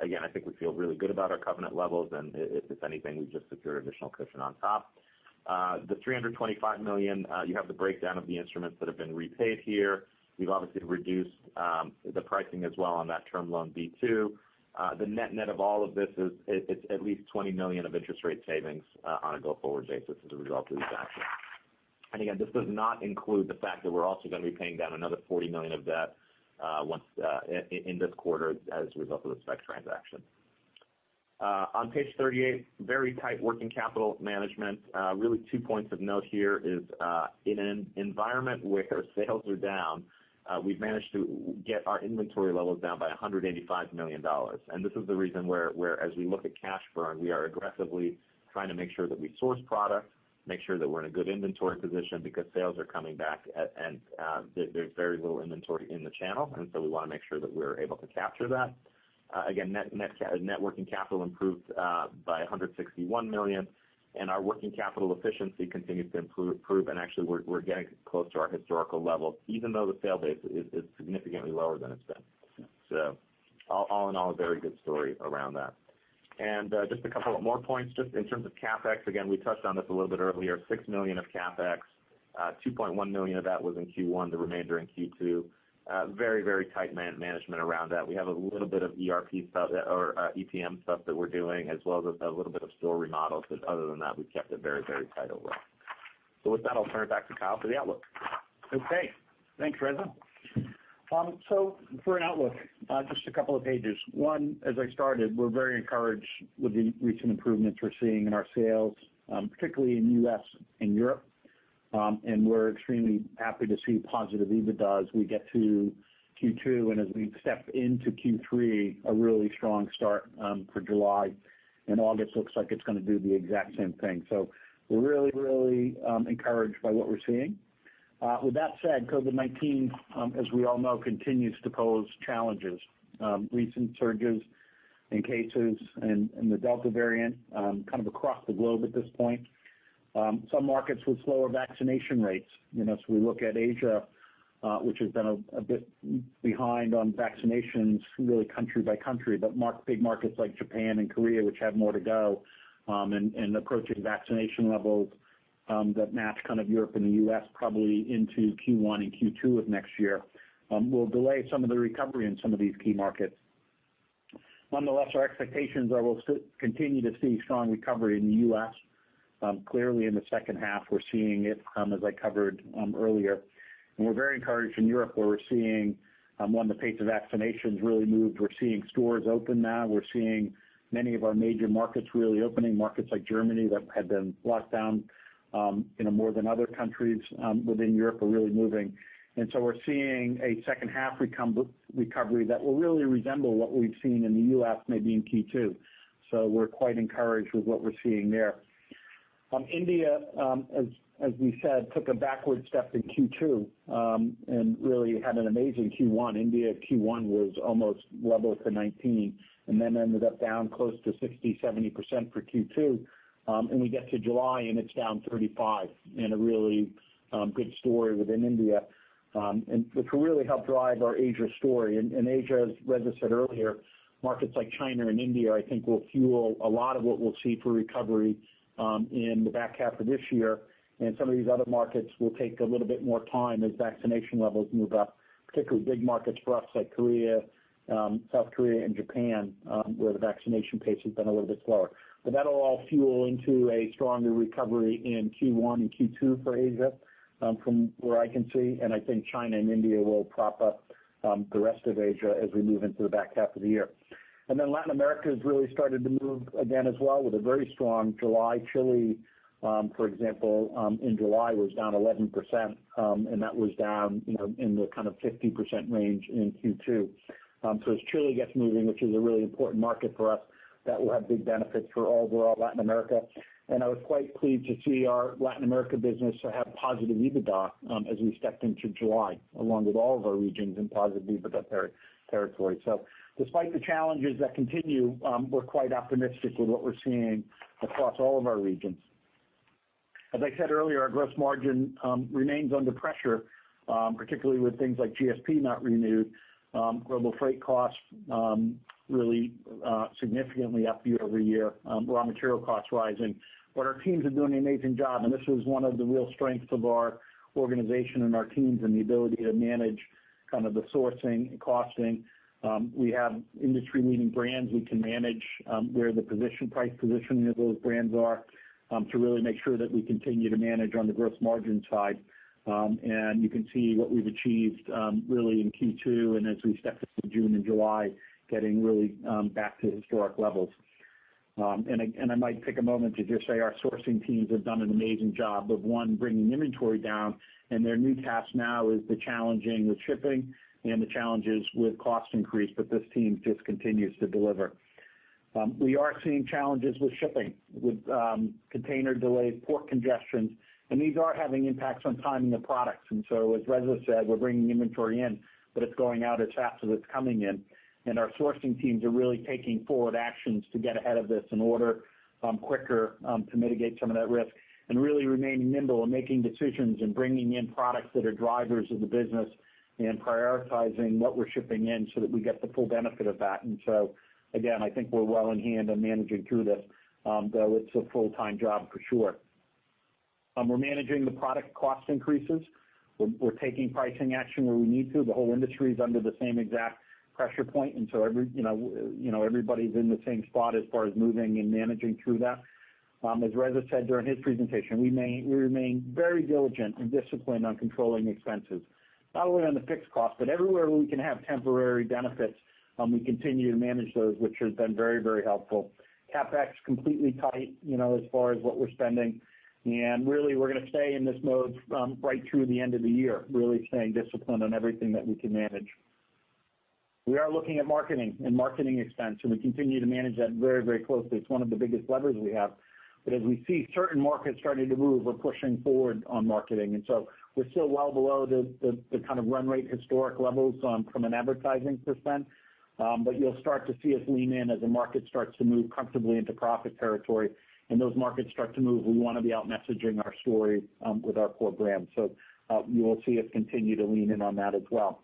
Again, I think we feel really good about our covenant levels, and if anything, we've just secured additional cushion on top. The $325 million, you have the breakdown of the instruments that have been repaid here. We've obviously reduced the pricing as well on that Term Loan B2. The net-net of all of this is at least $20 million of interest rate savings on a go-forward basis as a result of these actions. Again, this does not include the fact that we're also going to be paying down another $40 million of debt in this quarter as a result of the Speck transaction. On page 38, very tight working capital management. Really two points of note here is, in an environment where sales are down, we've managed to get our inventory levels down by $185 million. This is the reason where as we look at cash burn, we are aggressively trying to make sure that we source product, make sure that we're in a good inventory position because sales are coming back and there's very little inventory in the channel, we want to make sure that we're able to capture that. Net working capital improved by $161 million, and our working capital efficiency continues to improve. Actually, we're getting close to our historical level, even though the sale base is significantly lower than it's been. All in all, a very good story around that. Just a couple of more points, just in terms of CapEx. We touched on this a little bit earlier, $6 million of CapEx, $2.1 million of that was in Q1, the remainder in Q2. Very tight management around that. We have a little bit of ERP stuff or EPM stuff that we're doing, as well as a little bit of store remodels, but other than that, we've kept it very tight overall. With that, I'll turn it back to Kyle for the outlook. Okay. Thanks, Reza. For an outlook, just a couple of pages. One, as I started, we're very encouraged with the recent improvements we're seeing in our sales, particularly in U.S. and Europe. We're extremely happy to see positive EBITDAs as we get to Q2. As we step into Q3, a really strong start for July, and August looks like it's going to do the exact same thing. We're really encouraged by what we're seeing. With that said, COVID-19, as we all know, continues to pose challenges, recent surges in cases and the Delta variant kind of across the globe at this point, some markets with slower vaccination rates. As we look at Asia, which has been a bit behind on vaccinations, really country by country. Big markets like Japan and Korea, which have more to go, and approaching vaccination levels that match Europe and the U.S. probably into Q1 and Q2 of next year will delay some of the recovery in some of these key markets. Nonetheless, our expectations are we'll continue to see strong recovery in the U.S. Clearly in the second half, we're seeing it come, as I covered earlier. We're very encouraged in Europe where we're seeing, one, the pace of vaccinations really moved. We're seeing stores open now. We're seeing many of our major markets really opening. Markets like Germany that had been locked down more than other countries within Europe are really moving. We're seeing a second half recovery that will really resemble what we've seen in the U.S., maybe in Q2. We're quite encouraged with what we're seeing there. India, as we said, took a backward step in Q2, really had an amazing Q1. India Q1 was almost level for 2019, then ended up down close to 60%-70% for Q2. We get to July and it's down 35%. A really good story within India, which will really help drive our Asia story. Asia, as Reza said earlier, markets like China and India, I think will fuel a lot of what we'll see for recovery in the back half of this year. Some of these other markets will take a little bit more time as vaccination levels move up, particularly big markets for us like Korea, South Korea and Japan, where the vaccination pace has been a little bit slower. That'll all fuel into a stronger recovery in Q1 and Q2 for Asia, from where I can see. I think China and India will prop up the rest of Asia as we move into the back half of the year. Latin America has really started to move again as well with a very strong July. Chile, for example, in July was down 11%, and that was down in the kind of 15% range in Q2. As Chile gets moving, which is a really important market for us, that will have big benefits for overall Latin America. I was quite pleased to see our Latin America business have positive EBITDA as we stepped into July, along with all of our regions in positive EBITDA territory. Despite the challenges that continue, we're quite optimistic with what we're seeing across all of our regions. As I said earlier, our gross margin remains under pressure, particularly with things like GSP not renewed. Global freight costs really significantly up year-over-year. Raw material costs rising. Our teams are doing an amazing job, and this is one of the real strengths of our organization and our teams and the ability to manage the sourcing and costing. We have industry-leading brands. We can manage where the price positioning of those brands are to really make sure that we continue to manage on the gross margin side. You can see what we've achieved really in Q2 and as we step into June and July, getting really back to historic levels. I might take a moment to just say our sourcing teams have done an amazing job of, one, bringing inventory down, and their new task now is the challenging with shipping and the challenges with cost increase. This team just continues to deliver. We are seeing challenges with shipping, with container delays, port congestions, these are having impacts on timing of products. As Reza said, we're bringing inventory in, but it's going out as fast as it's coming in. Our sourcing teams are really taking forward actions to get ahead of this and order quicker to mitigate some of that risk and really remaining nimble and making decisions and bringing in products that are drivers of the business and prioritizing what we're shipping in so that we get the full benefit of that. Again, I think we're well in hand on managing through this, though it's a full-time job for sure. We're managing the product cost increases. We're taking pricing action where we need to. The whole industry is under the same exact pressure point. Everybody's in the same spot as far as moving and managing through that. As Reza said during his presentation, we remain very diligent and disciplined on controlling expenses, not only on the fixed cost, but everywhere we can have temporary benefits, we continue to manage those, which has been very helpful. CapEx completely tight as far as what we're spending. Really, we're going to stay in this mode right through the end of the year, really staying disciplined on everything that we can manage. We are looking at marketing and marketing expense. We continue to manage that very closely. It's one of the biggest levers we have. As we see certain markets starting to move, we're pushing forward on marketing. We're still well below the kind of run rate historic levels from an advertising percent. You'll start to see us lean in as the market starts to move comfortably into profit territory and those markets start to move. We want to be out messaging our story with our core brands. You will see us continue to lean in on that as well.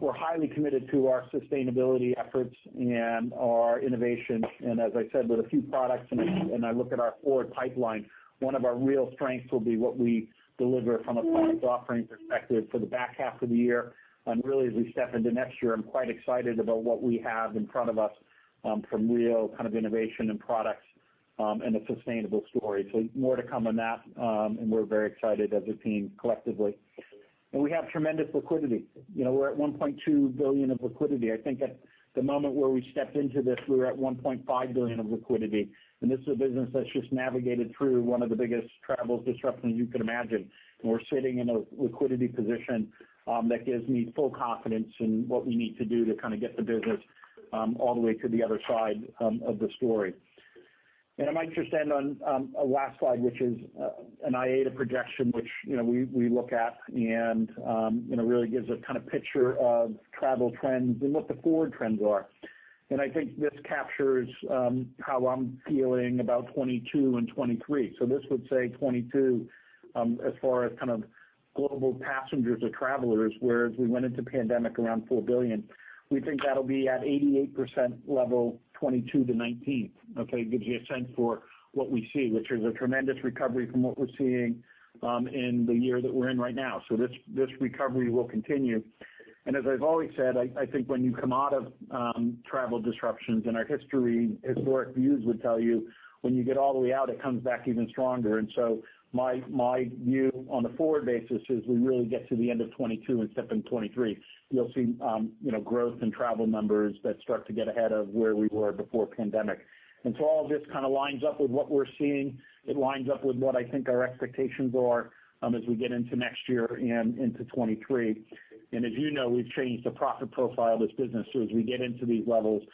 We're highly committed to our sustainability efforts and our innovation. As I said, with a few products, and I look at our forward pipeline, one of our real strengths will be what we deliver from a product offering perspective for the back half of the year. Really as we step into next year, I'm quite excited about what we have in front of us from real kind of innovation and products and a sustainable story. More to come on that. We're very excited as a team collectively. We have tremendous liquidity. We're at $1.2 billion of liquidity. I think at the moment where we stepped into this, we were at $1.5 billion of liquidity. This is a business that's just navigated through one of the biggest travel disruptions you could imagine. We're sitting in a liquidity position that gives me full confidence in what we need to do to kind of get the business all the way to the other side of the story. I might just end on a last slide, which is an IATA projection, which we look at and really gives a kind of picture of travel trends and what the forward trends are. I think this captures how I'm feeling about 2022 and 2023. This would say 2022, as far as kind of global passengers or travelers, where as we went into pandemic around 4 billion, we think that'll be at 88% level 2022 to 2019. Okay? Gives you a sense for what we see, which is a tremendous recovery from what we're seeing in the year that we're in right now. This recovery will continue. As I've always said, I think when you come out of travel disruptions, our historic views would tell you, when you get all the way out, it comes back even stronger. My view on the forward basis is we really get to the end of 2022 and step in 2023. You'll see growth in travel numbers that start to get ahead of where we were before pandemic. All this kind of lines up with what we're seeing. It lines up with what I think our expectations are as we get into next year and into 2023. As you know, we've changed the profit profile of this business. As we get into these levels,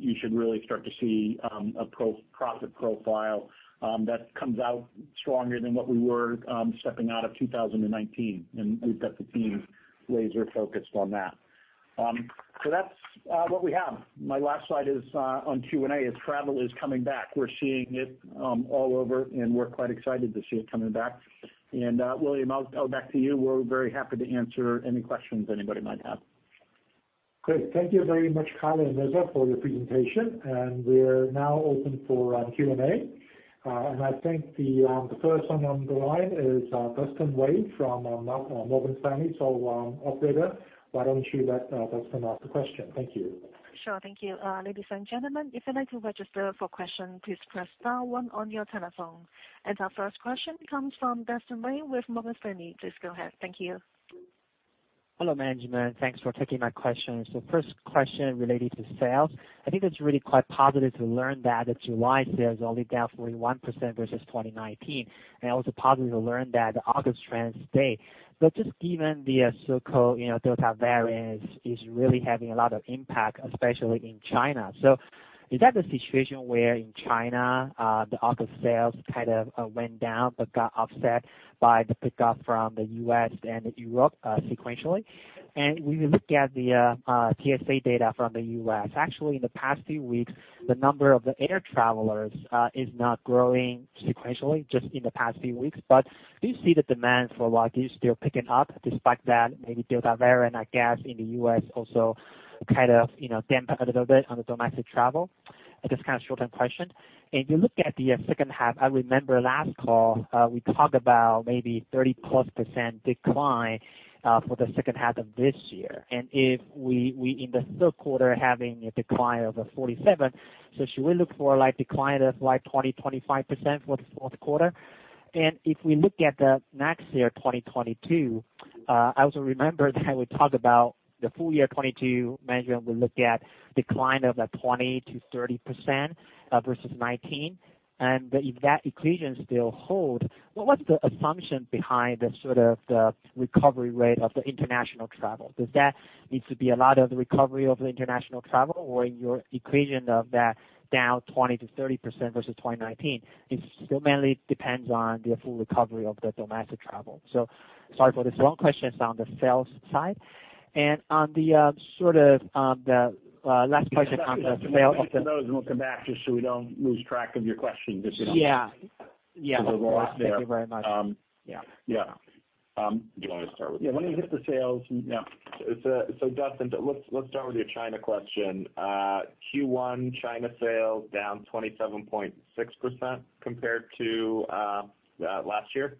you should really start to see a profit profile that comes out stronger than what we were stepping out of 2019. We've got the team laser-focused on that. That's what we have. My last slide is on Q&A, as travel is coming back. We're seeing it all over, and we're quite excited to see it coming back. William, back to you. We're very happy to answer any questions anybody might have. Great. Thank you very much, Kyle and Reza, for your presentation. We're now open for Q&A. I think the first one on the line is Dustin Wei from Morgan Stanley. Operator, why don't you let Dustin ask the question? Thank you. Sure. Thank you. Ladies and gentlemen, if you'd like to register for question, please press star one on your telephone. Our first question comes from Dustin Wei with Morgan Stanley. Please go ahead. Thank you. Hello, management. Thanks for taking my question. First question related to sales. I think that's really quite positive to learn that the July sales are only down 41% versus 2019, and also positive to learn that the August trends stay. Just given the so-called Delta variant is really having a lot of impact, especially in China. Is that the situation where in China, the August sales kind of went down but got offset by the pickup from the U.S. and Europe sequentially? When you look at the TSA data from the U.S., actually in the past few weeks, the number of the air travelers is not growing sequentially just in the past few weeks. Do you see the demand for luggage still picking up, despite that maybe Delta variant, I guess, in the U.S. also kind of damp a little bit on the domestic travel? Just kind of short-term question. You look at the second half, I remember last call, we talked about maybe 30+% decline for the second half of this year. If we in the third quarter are having a decline of the 47%, should we look for like decline of like 20%-25% for the fourth quarter? If we look at the next year, 2022, I also remember that we talked about the full year 2022 management will look at decline of like 20%-30% versus 2019. If that equation still holds, what's the assumption behind the sort of the recovery rate of the international travel? Does that need to be a lot of the recovery of the international travel? In your equation of that down 20%-30% versus 2019, it still mainly depends on the full recovery of the domestic travel. Sorry for these long questions on the sales side. On the sort of last question. Let me get to those. We'll come back just so we don't lose track of your questions. Yeah. Thank you very much. Yeah. Do you want to start with? Yeah, why don't you hit the sales? Yeah. Dustin, let's start with your China question. Q1 China sales down 27.6% compared to last year.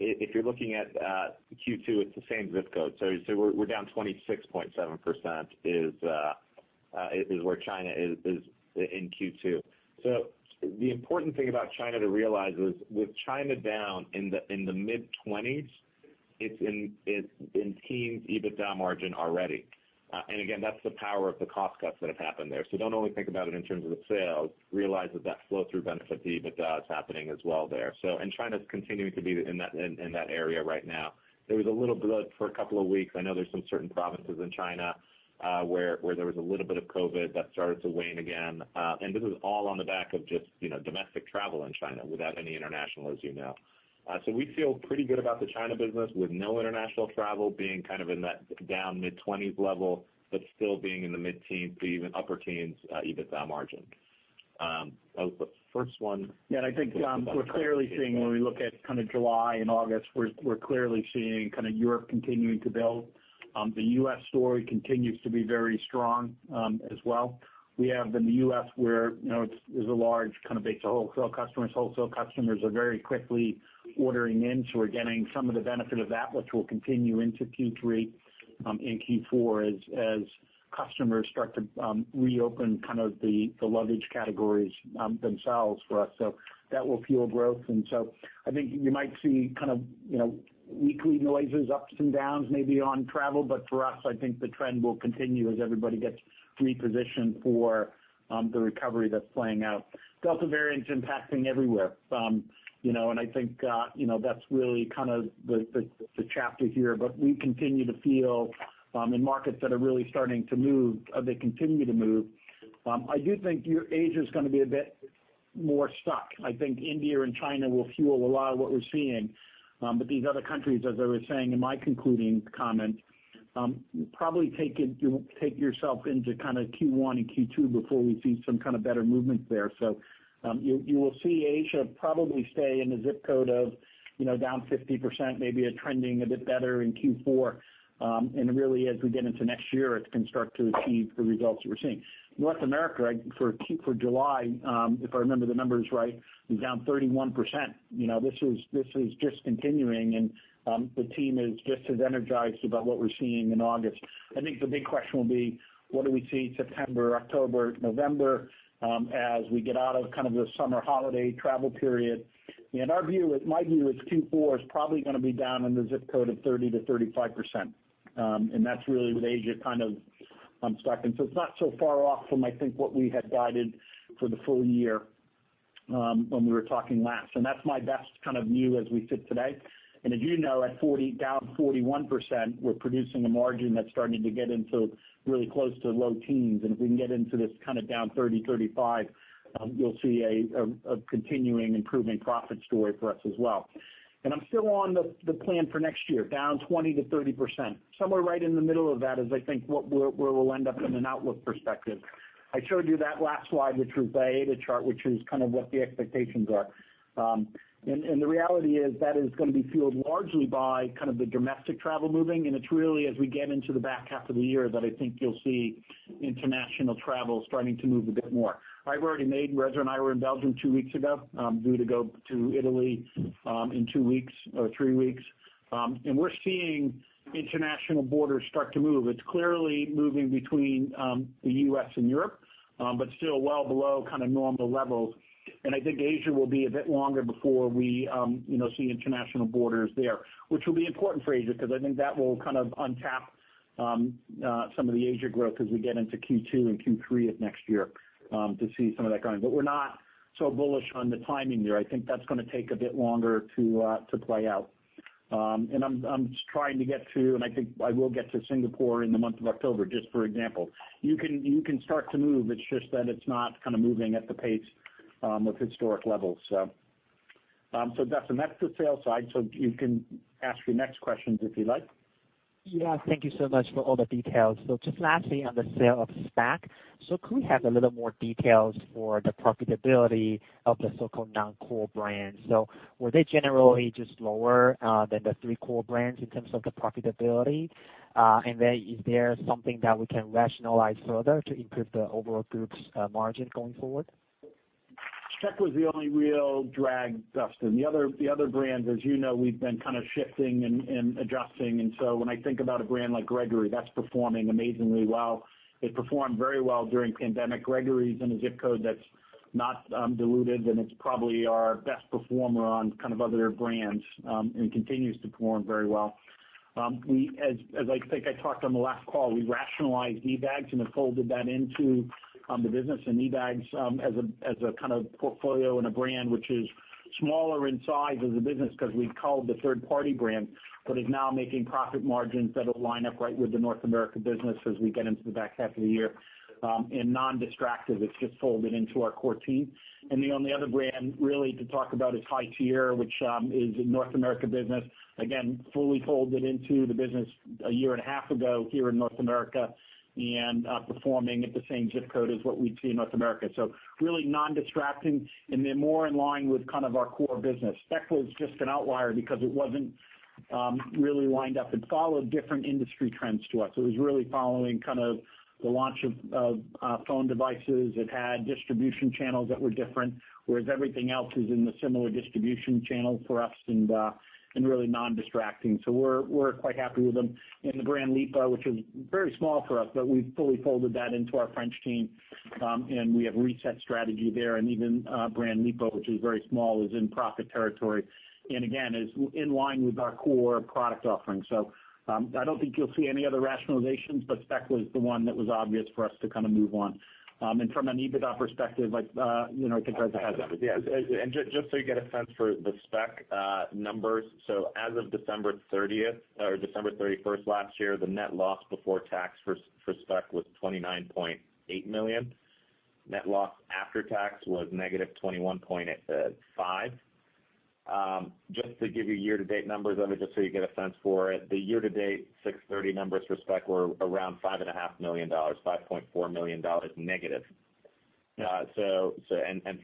If you're looking at Q2, it's the same ZIP code. We're down 26.7%, is where China is in Q2. The important thing about China to realize is, with China down in the mid-20s, it's in teens EBITDA margin already. Again, that's the power of the cost cuts that have happened there. Don't only think about it in terms of the sales, realize that that flow-through benefit to EBITDA is happening as well there. China's continuing to be in that area right now. There was a little blip for a couple of weeks. I know there's some certain provinces in China, where there was a little bit of COVID that started to wane again. This is all on the back of just domestic travel in China without any international, as you know. We feel pretty good about the China business with no international travel being in that down mid-20s level, but still being in the mid-teens to even upper teens EBITDA margin. That was the first one. I think, we're clearly seeing when we look at July and August, we're clearly seeing Europe continuing to build. The U.S. story continues to be very strong as well. We have in the U.S. where, it's a large base of wholesale customers. Wholesale customers are very quickly ordering in, so we're getting some of the benefit of that, which will continue into Q3, and Q4 as customers start to reopen the luggage categories themselves for us. That will fuel growth. I think you might see weekly noises, ups and downs, maybe on travel. For us, I think the trend will continue as everybody gets repositioned for the recovery that's playing out. Delta variant's impacting everywhere. I think that's really the chapter here, but we continue to feel, in markets that are really starting to move, they continue to move. I do think Asia's going to be a bit more stuck. I think India and China will fuel a lot of what we're seeing. These other countries, as I was saying in my concluding comment, probably take yourself into Q1 and Q2 before we see some better movement there. You will see Asia probably stay in a ZIP code of down 50%, maybe trending a bit better in Q4. Really as we get into next year, it can start to achieve the results that we're seeing. North America for July, if I remember the numbers right, was down 31%. This is just continuing and the team is just as energized about what we're seeing in August. I think the big question will be: what do we see September, October, November, as we get out of the summer holiday travel period? My view is Q4 is probably going to be down in the ZIP code of 30%-35%. That's really with Asia stuck. It's not so far off from, I think, what we had guided for the full year, when we were talking last. That's my best view as we sit today. As you know, at down 41%, we're producing a margin that's starting to get into really close to low teens. If we can get into this down 30%-35%, you'll see a continuing improving profit story for us as well. I'm still on the plan for next year, down 20%-30%. Somewhere right in the middle of that is I think where we'll end up in an outlook perspective. I showed you that last slide, which the chart, which is what the expectations are. The reality is that is going to be fueled largely by the domestic travel moving. It's really as we get into the back half of the year that I think you'll see international travel starting to move a bit more. I've already made, Reza and I were in Belgium two weeks ago, due to go to Italy in two weeks or three weeks. We're seeing international borders start to move. It's clearly moving between the U.S. and Europe, but still well below normal levels. I think Asia will be a bit longer before we see international borders there, which will be important for Asia, because I think that will untap some of the Asia growth as we get into Q2 and Q3 of next year to see some of that growing. We're not so bullish on the timing there. I think that's going to take a bit longer to play out. I'm trying to get to, and I think I will get to Singapore in the month of October, just for example. You can start to move. It's just that it's not moving at the pace of historic levels. Dustin, that's the sales side. You can ask your next questions if you like. Yeah. Thank you so much for all the details. Just lastly on the sale of Speck. Could we have a little more details for the profitability of the so-called non-core brands? Were they generally just lower than the three core brands in terms of the profitability? Is there something that we can rationalize further to improve the overall group's margin going forward? Speck was the only real drag, Dustin. The other brands, as you know, we've been shifting and adjusting. When I think about a brand like Gregory, that's performing amazingly well. It performed very well during pandemic. Gregory's in a ZIP code that's not diluted, and it's probably our best performer on other brands, and continues to perform very well. As I think I talked on the last call, we rationalized eBags and have folded that into the business and eBags as a portfolio and a brand which is smaller in size as a business because we culled the third-party brand, but is now making profit margins that'll line up right with the North America business as we get into the back half of the year. Non-distractive, it's just folded into our core team. The only other brand really to talk about is High Sierra, which is a North America business. Fully folded into the business a year and a half ago here in North America, performing at the same ZIP code as what we'd see in North America. Really non-distracting, they're more in line with our core business. Speck was just an outlier because it wasn't really lined up. It followed different industry trends to us. It was really following the launch of phone devices. It had distribution channels that were different, whereas everything else is in the similar distribution channel for us, really non-distracting. We're quite happy with them. The brand Lipault, which is very small for us, we've fully folded that into our French team. We have reset strategy there. Even brand Lipault, which is very small, is in profit territory. Again, is in line with our core product offerings. I don't think you'll see any other rationalizations, but Speck was the one that was obvious for us to move on. From an EBITDA perspective. Yes. Just so you get a sense for the Speck numbers, as of December 31st last year, the net loss before tax for Speck was $29.8 million. Net loss after tax was negative $21.5 million. Just to give you year-to-date numbers on it, just so you get a sense for it, the year-to-date 6/30 numbers for Speck were around -$5.4 million negative.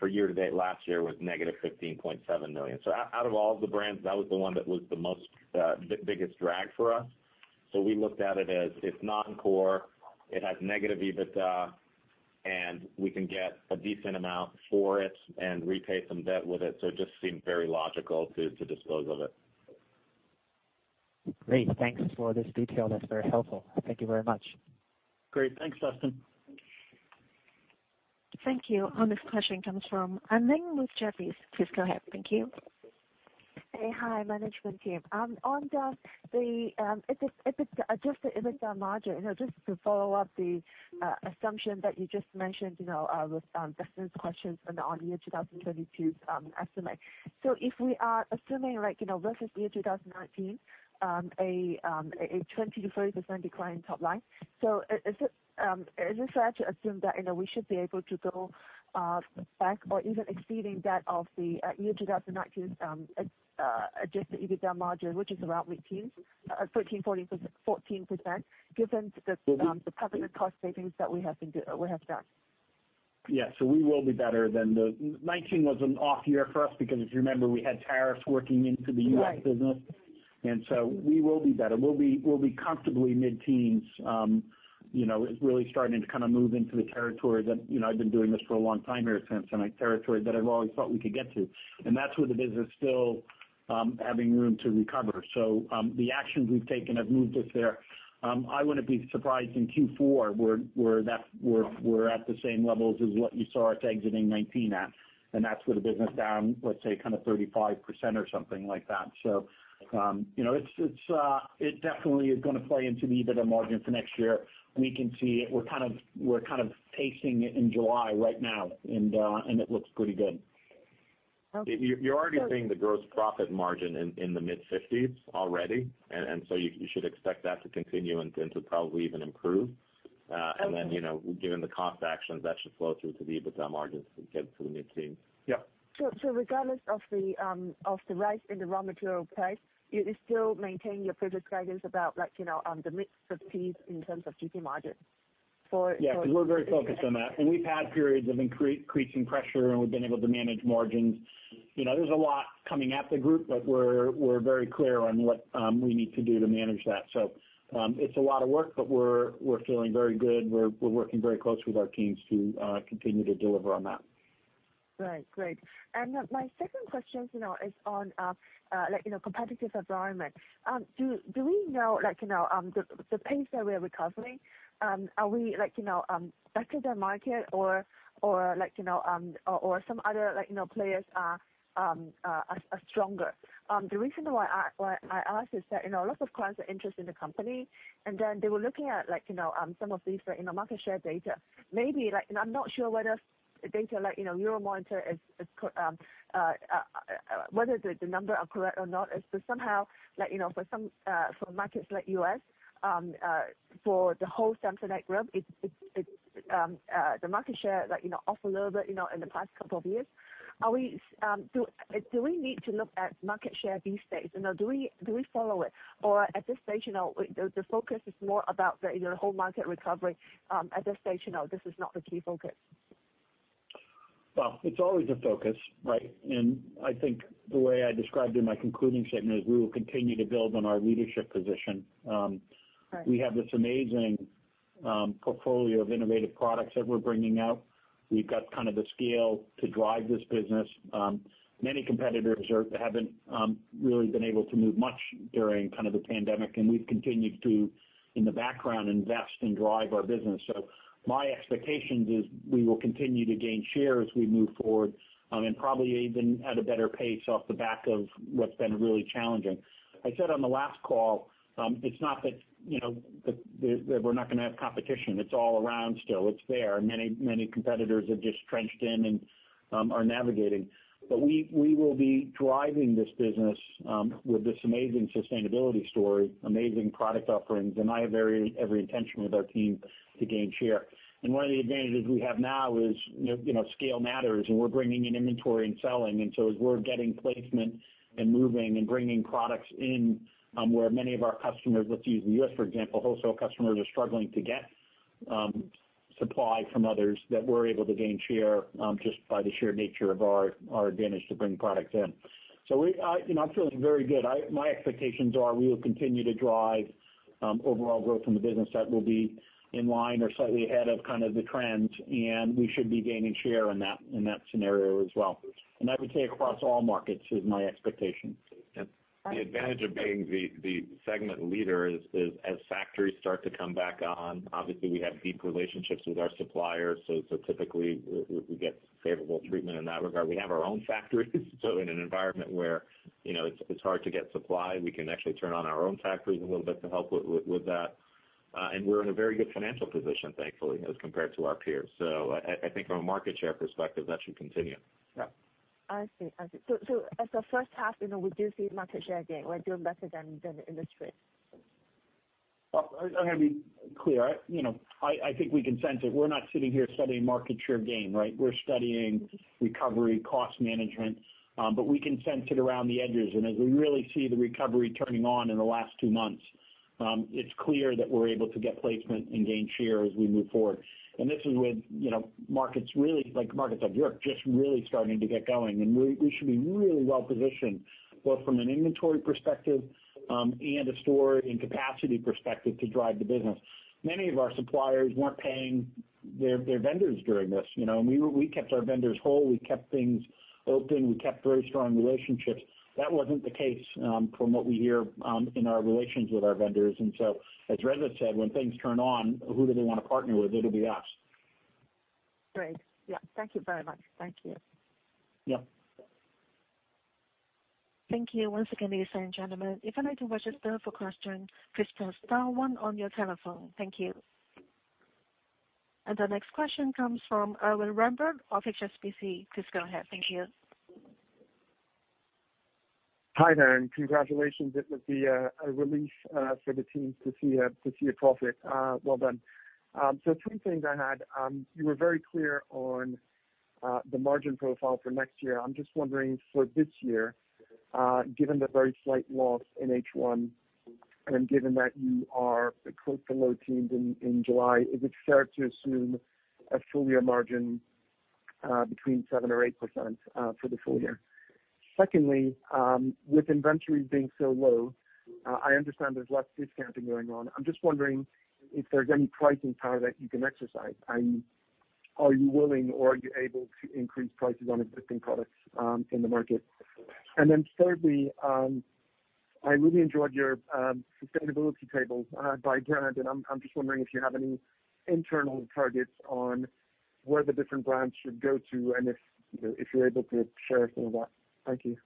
For year-to-date last year was -$15.7 million. Out of all the brands, that was the one that was the biggest drag for us. We looked at it as it's non-core, it has negative EBITDA, and we can get a decent amount for it and repay some debt with it. It just seemed very logical to dispose of it. Great. Thanks for this detail. That's very helpful. Thank you very much. Great. Thanks, Dustin. Thank you. Our next question comes from Anne Ling with Jefferies. Please go ahead. Thank you. Hey. Hi, management team. On just the EBITDA margin, just to follow up the assumption that you just mentioned with Dustin's questions on year 2022 estimate. If we are assuming versus year 2019, a 20%-30% decline in top line, is it fair to assume that we should be able to go back or even exceeding that of the year 2019 adjusted EBITDA margin, which is around 13%, 14%, given the permanent cost savings that we have done? Yeah. We will be better than 2019. 2019 was an off year for us because, if you remember, we had tariffs working into the U.S. business. Right. We will be better. We'll be comfortably mid-teens. It's really starting to move into the territory that, I've been doing this for a long time here at Samsonite, territory that I've always thought we could get to. That's where the business still having room to recover. The actions we've taken have moved us there. I wouldn't be surprised in Q4, we're at the same levels as what you saw us exiting 2019 at, and that's with the business down, let's say, 35% or something like that. It definitely is going to play into the EBITDA margin for next year. We can see it. We're kind of pacing it in July right now, and it looks pretty good. Okay. You're already seeing the gross profit margin in the mid-50s already. You should expect that to continue and to probably even improve. Okay. Given the cost actions, that should flow through to the EBITDA margins to get to the mid-teens. Yep. Regardless of the rise in the raw material price, you still maintain your previous guidance about the mid-50s in terms of GP margin. Yeah, we're very focused on that. We've had periods of increasing pressure, and we've been able to manage margins. There's a lot coming at the group, but we're very clear on what we need to do to manage that. It's a lot of work, but we're feeling very good. We're working very close with our teams to continue to deliver on that. Right. Great. My second question is on competitive environment. Do we know the pace that we are recovering, are we better than market or some other players are stronger? The reason why I ask is that a lot of clients are interested in the company, and then they were looking at some of these market share data. I'm not sure whether data like Euromonitor, whether the number are correct or not. Somehow, for markets like U.S., for the whole Samsonite Group, the market share off a little bit in the past couple of years. Do we need to look at market share these days? Do we follow it? At this stage, the focus is more about the whole market recovery. At this stage, this is not the key focus. Well, it's always a focus, right? I think the way I described in my concluding statement is we will continue to build on our leadership position. Right. We have this amazing portfolio of innovative products that we're bringing out. We've got kind of the scale to drive this business. Many competitors haven't really been able to move much during the pandemic, and we've continued to, in the background, invest and drive our business. My expectations is we will continue to gain share as we move forward, and probably even at a better pace off the back of what's been really challenging. I said on the last call, it's not that we're not going to have competition. It's all around still. It's there. Many competitors have just trenched in and are navigating. We will be driving this business with this amazing sustainability story, amazing product offerings, and I have every intention with our team to gain share. One of the advantages we have now is scale matters, and we're bringing in inventory and selling. As we're getting placement and moving and bringing products in where many of our customers, let's use the U.S., for example, wholesale customers are struggling to get supply from others that we're able to gain share just by the sheer nature of our advantage to bring products in. I'm feeling very good. My expectations are we will continue to drive overall growth in the business that will be in line or slightly ahead of kind of the trends, and we should be gaining share in that scenario as well. That would say across all markets is my expectation. The advantage of being the segment leader is as factories start to come back on, obviously we have deep relationships with our suppliers, so typically we get favorable treatment in that regard. We have our own factories. In an environment where it is hard to get supply, we can actually turn on our own factories a little bit to help with that. We are in a very good financial position, thankfully, as compared to our peers. I think from a market share perspective, that should continue. Yeah. I see. As the first half, we do see market share gain, we're doing better than the industry. I'm going to be clear. I think we can sense it. We're not sitting here studying market share gain, right? We're studying recovery, cost management. We can sense it around the edges. As we really see the recovery turning on in the last two months, it's clear that we're able to get placement and gain share as we move forward. This is with markets like markets of Europe just really starting to get going, and we should be really well positioned, both from an inventory perspective and a store and capacity perspective to drive the business. Many of our suppliers weren't paying their vendors during this. We kept our vendors whole, we kept things open, we kept very strong relationships. That wasn't the case from what we hear in our relations with our vendors. As Reza said, when things turn on, who do they want to partner with? It'll be us. Great. Yeah. Thank you very much. Thank you. Yeah. Thank you once again, ladies and gentlemen. If I need to register for question, please press star one on your telephone. Thank you. The next question comes from Erwan Rambourg of HSBC. Please go ahead. Thank you. Hi there. Congratulations. It must be a relief for the team to see a profit. Well done. Two things I had. You were very clear on the margin profile for next year. I'm just wondering for this year, given the very slight loss in H1 and given that you are quote, "the low teens" in July, is it fair to assume a full-year margin between 7% or 8% for the full year? Secondly, with inventories being so low, I understand there's lots of discounting going on. I'm just wondering if there's any pricing power that you can exercise, and are you willing, or are you able to increase prices on existing products in the market? Thirdly, I really enjoyed your sustainability tables by brand. I'm just wondering if you have any internal targets on where the different brands should go to and if you're able to share some of that. Thank you.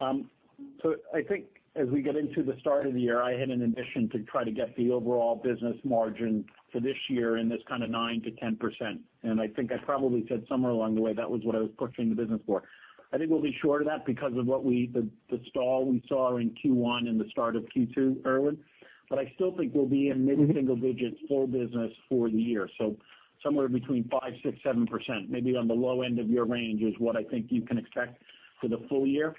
I think as we get into the start of the year, I had an ambition to try to get the overall business margin for this year in this kind of 9%-10%. I think I probably said somewhere along the way that was what I was pushing the business for. I think we'll be short of that because of the stall we saw in Q1 and the start of Q2, Erwan. I still think we'll be in mid-single digits full business for the year. Somewhere between 5%, 6%, and 7%, maybe on the low end of your range, is what I think you can expect for the full year.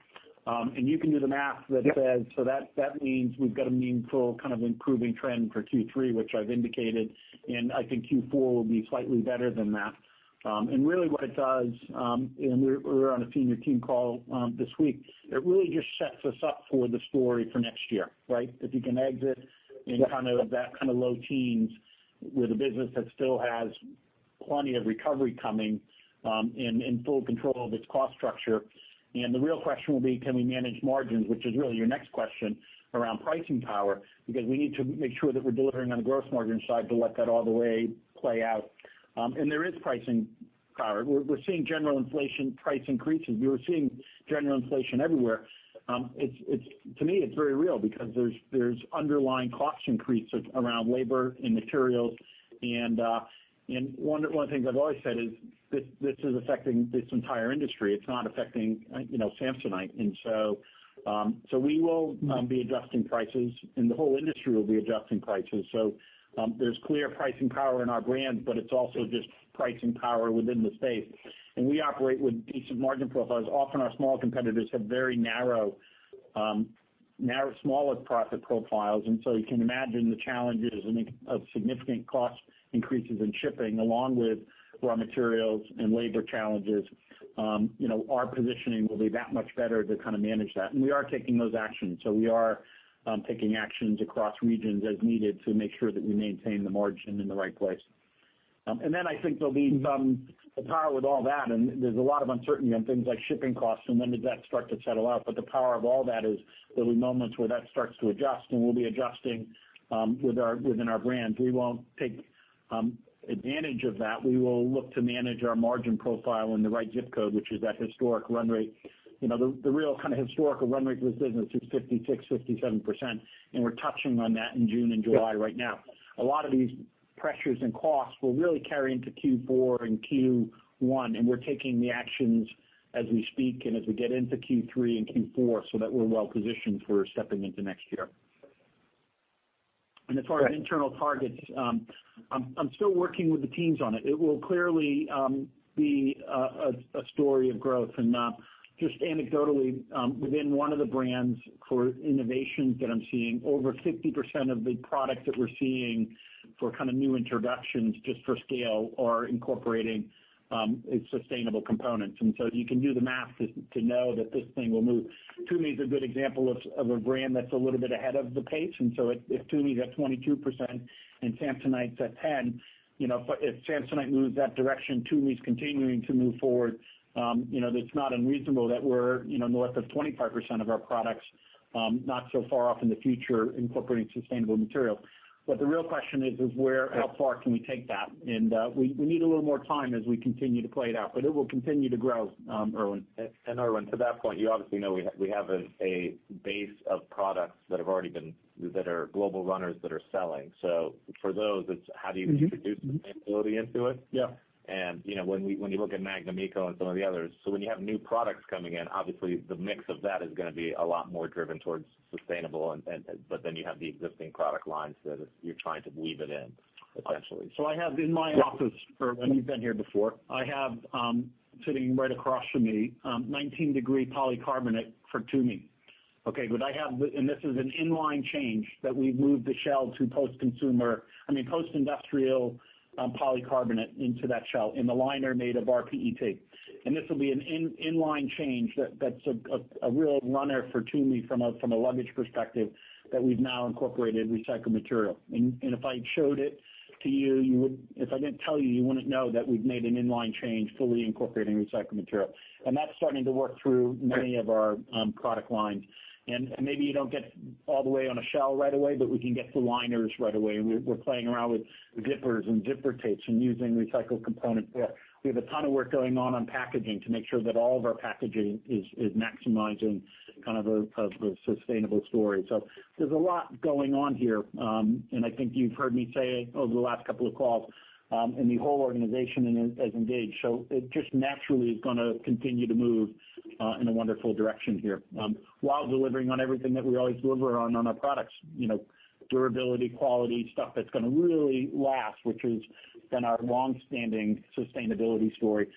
You can do the math that says, so that means we've got a meaningful kind of improving trend for Q3, which I've indicated, and I think Q4 will be slightly better than that. Really what it does, we were on a senior team call this week. It really just sets us up for the story for next year, right? If you can exit in kind of that low teens with a business that still has plenty of recovery coming and in full control of its cost structure. The real question will be, can we manage margins, which is really your next question around pricing power, because we need to make sure that we're delivering on the gross margin side to let that all the way play out. There is pricing power. We're seeing general inflation price increases. We were seeing general inflation everywhere. To me, it's very real because there's underlying cost increases around labor and materials. One of the things I've always said is this is affecting this entire industry. It's not affecting Samsonite. We will be adjusting prices, and the whole industry will be adjusting prices. There's clear pricing power in our brand, but it's also just pricing power within the space. We operate with decent margin profiles. Often our small competitors have very narrow, smaller profit profiles; you can imagine the challenges of significant cost increases in shipping along with raw materials and labor challenges. Our positioning will be that much better to kind of manage that. We are taking those actions. We are taking actions across regions as needed to make sure that we maintain the margin in the right place. I think there'll be some power with all that, and there's a lot of uncertainty on things like shipping costs and when does that start to settle out. The power of all that is there'll be moments where that starts to adjust, and we'll be adjusting within our brands. We won't take advantage of that. We will look to manage our margin profile in the right ZIP code, which is that historic run rate. The real kind of historical run rate for this business is 56%-57%, and we're touching on that in June and July right now. A lot of these pressures and costs will really carry into Q4 and Q1, and we're taking the actions as we speak and as we get into Q3 and Q4 so that we're well positioned for stepping into next year. As far as internal targets, I'm still working with the teams on it. It will clearly be a story of growth. Just anecdotally, within one of the brands for innovations that I'm seeing, over 50% of the products that we're seeing for kind of new introductions, just for scale, are incorporating sustainable components. You can do the math to know that this thing will move. Tumi is a good example of a brand that's a little bit ahead of the pace. If Tumi is at 22% and Samsonite is at 10%, if Samsonite moves that direction, Tumi is continuing to move forward, it's not unreasonable that we're north of 25% of our products not so far off in the future incorporating sustainable materials. The real question is, how far can we take that? We need a little more time as we continue to play it out, but it will continue to grow, Erwan. Erwan, to that point, you obviously know we have a base of products that are global runners that are selling. For those, it's how do you introduce sustainability into it. Yeah. When you look at Magnum Eco and some of the others, when you have new products coming in, obviously the mix of that is going to be a lot more driven towards sustainable. You have the existing product lines that you're trying to weave it in, essentially. I have in my office, Erwan, you've been here before, I have sitting right across from me 19 Degree Polycarbonate for Tumi, okay? This is an inline change that we've moved the shell to post-industrial polycarbonate into that shell, and the liner made of rPET. This will be an inline change that's a real runner for Tumi from a luggage perspective that we've now incorporated recycled material. If I showed it to you, if I didn't tell you wouldn't know that we've made an inline change fully incorporating recycled material. That's starting to work through many of our product lines. Maybe you don't get all the way on a shell right away, but we can get the liners right away. We're playing around with zippers and zipper tapes and using recycled components there. We have a ton of work going on on packaging to make sure that all of our packaging is maximizing kind of a sustainable story. There's a lot going on here. I think you've heard me say over the last couple of calls, and the whole organization has engaged. It just naturally is going to continue to move in a wonderful direction here while delivering on everything that we always deliver on on our products. Durability, quality, stuff that's going to really last, which has been our longstanding sustainability story.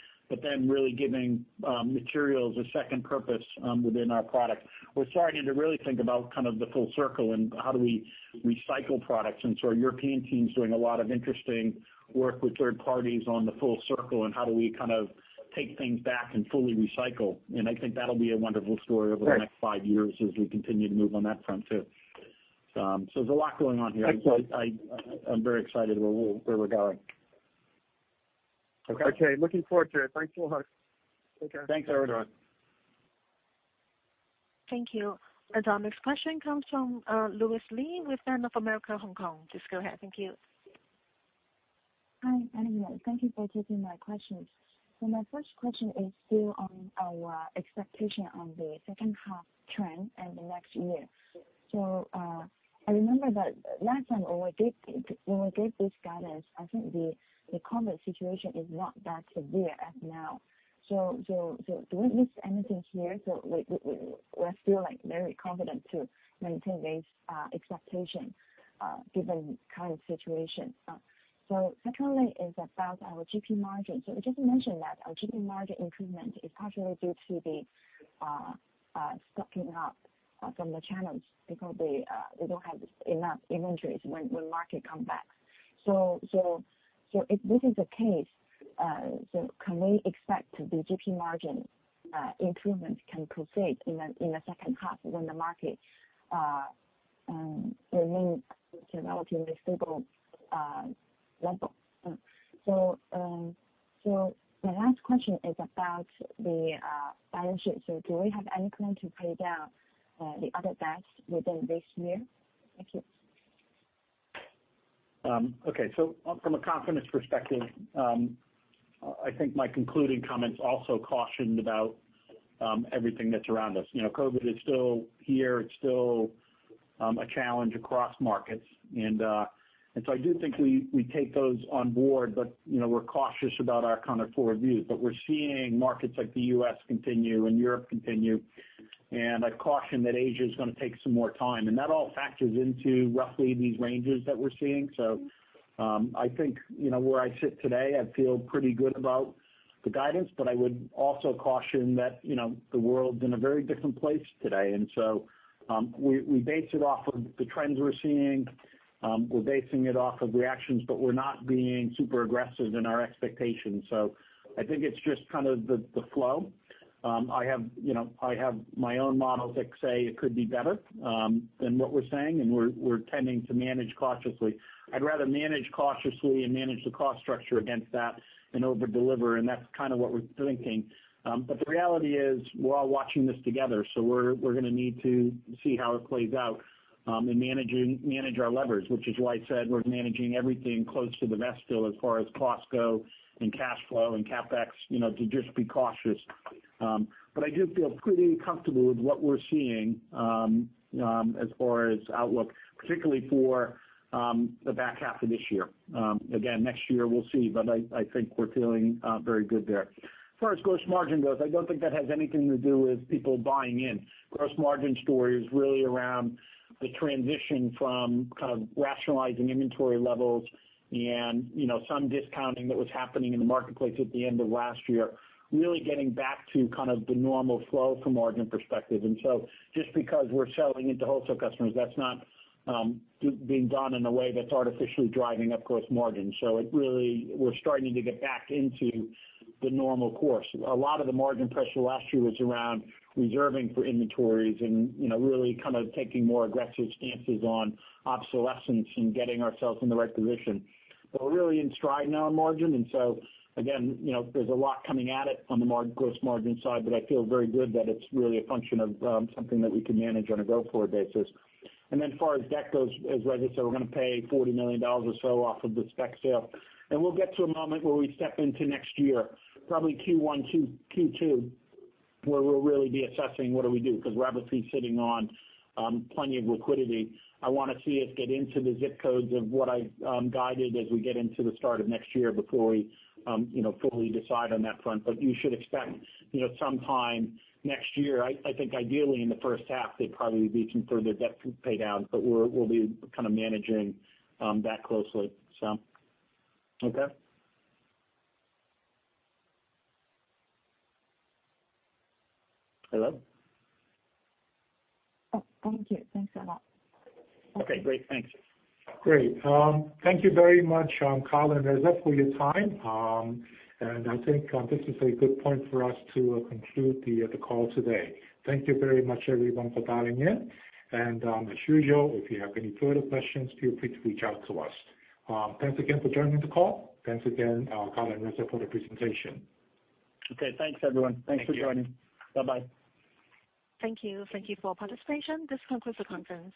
Really giving materials a second purpose within our product. We're starting to really think about kind of the full circle and how do we recycle products. Our European team is doing a lot of interesting work with third parties on the full circle and how do we kind of take things back and fully recycle. I think that'll be a wonderful story over the next five years as we continue to move on that front too. There's a lot going on here. Excellent. I'm very excited where we're going. Okay. Okay. Looking forward to it. Thanks a whole lot. Take care. Thanks, Erwan. Thank you. Our next question comes from Louise Li with Bank of America Hong Kong. Just go ahead. Thank you. Hi, everyone. Thank you for taking my questions. My first question is still on our expectation on the second half trend and the next year. I remember that last time when we gave this guidance, I think the COVID-19 situation is not that severe as now. Do we miss anything here? We're still very confident to maintain this expectation given current situation. Secondly is about our GP margin. You just mentioned that our GP margin improvement is partially due to the stocking up from the channels because they don't have enough inventories when market come back. If this is the case, can we expect the GP margin improvement can proceed in the second half when the market remains at a relatively stable level? My last question is about the balance sheet. Do we have any plan to pay down the other debts within this year? Thank you. Okay. From a confidence perspective, I think my concluding comments also cautioned about everything that's around us. COVID is still here. It's still a challenge across markets. I do think we take those on board, but we're cautious about our kind of forward view. We're seeing markets like the U.S. continue and Europe continue. I'd caution that Asia is going to take some more time. That all factors into roughly these ranges that we're seeing. I think where I sit today, I feel pretty good about the guidance, but I would also caution that the world's in a very different place today. We base it off of the trends we're seeing. We're basing it off of reactions, but we're not being super aggressive in our expectations. I think it's just kind of the flow. I have my own models that say it could be better than what we're saying, and we're tending to manage cautiously. I'd rather manage cautiously and manage the cost structure against that and over-deliver, and that's kind of what we're thinking. The reality is we're all watching this together, so we're going to need to see how it plays out and manage our levers, which is why I said we're managing everything close to the vest still as far as costs go and cash flow and CapEx, to just be cautious. I do feel pretty comfortable with what we're seeing as far as outlook, particularly for the back half of this year. Again, next year, we'll see, but I think we're feeling very good there. As far as gross margin goes, I don't think that has anything to do with people buying in. Gross margin story is really around the transition from kind of rationalizing inventory levels and some discounting that was happening in the marketplace at the end of last year, really getting back to kind of the normal flow from a margin perspective. Just because we're selling into wholesale customers, that's not being done in a way that's artificially driving up gross margin. Really, we're starting to get back into the normal course. A lot of the margin pressure last year was around reserving for inventories and really kind of taking more aggressive stances on obsolescence and getting ourselves in the right position. We're really in stride now on margin, and so again, there's a lot coming at it on the gross margin side, but I feel very good that it's really a function of something that we can manage on a go-forward basis. As far as debt goes, as Reza said, we're going to pay $40 million or so off of the Speck sale, and we'll get to a moment where we step into next year, probably Q1, Q2, where we'll really be assessing what do we do, because we're obviously sitting on plenty of liquidity. I want to see us get into the ZIP codes of what I've guided as we get into the start of next year before we fully decide on that front. You should expect sometime next year, I think ideally in the first half, there'd probably be some further debt pay down, but we'll be kind of managing that closely. Okay. Hello? Oh, thank you. Thanks a lot. Okay, great. Thanks. Great. Thank you very much, Kyle and Reza, for your time. I think this is a good point for us to conclude the call today. Thank you very much, everyone, for dialing in. As usual, if you have any further questions, feel free to reach out to us. Thanks again for joining the call. Thanks again, Kyle and Reza, for the presentation. Okay, thanks everyone. Thanks for joining. Bye-bye. Thank you. Thank you for participation. This concludes the conference.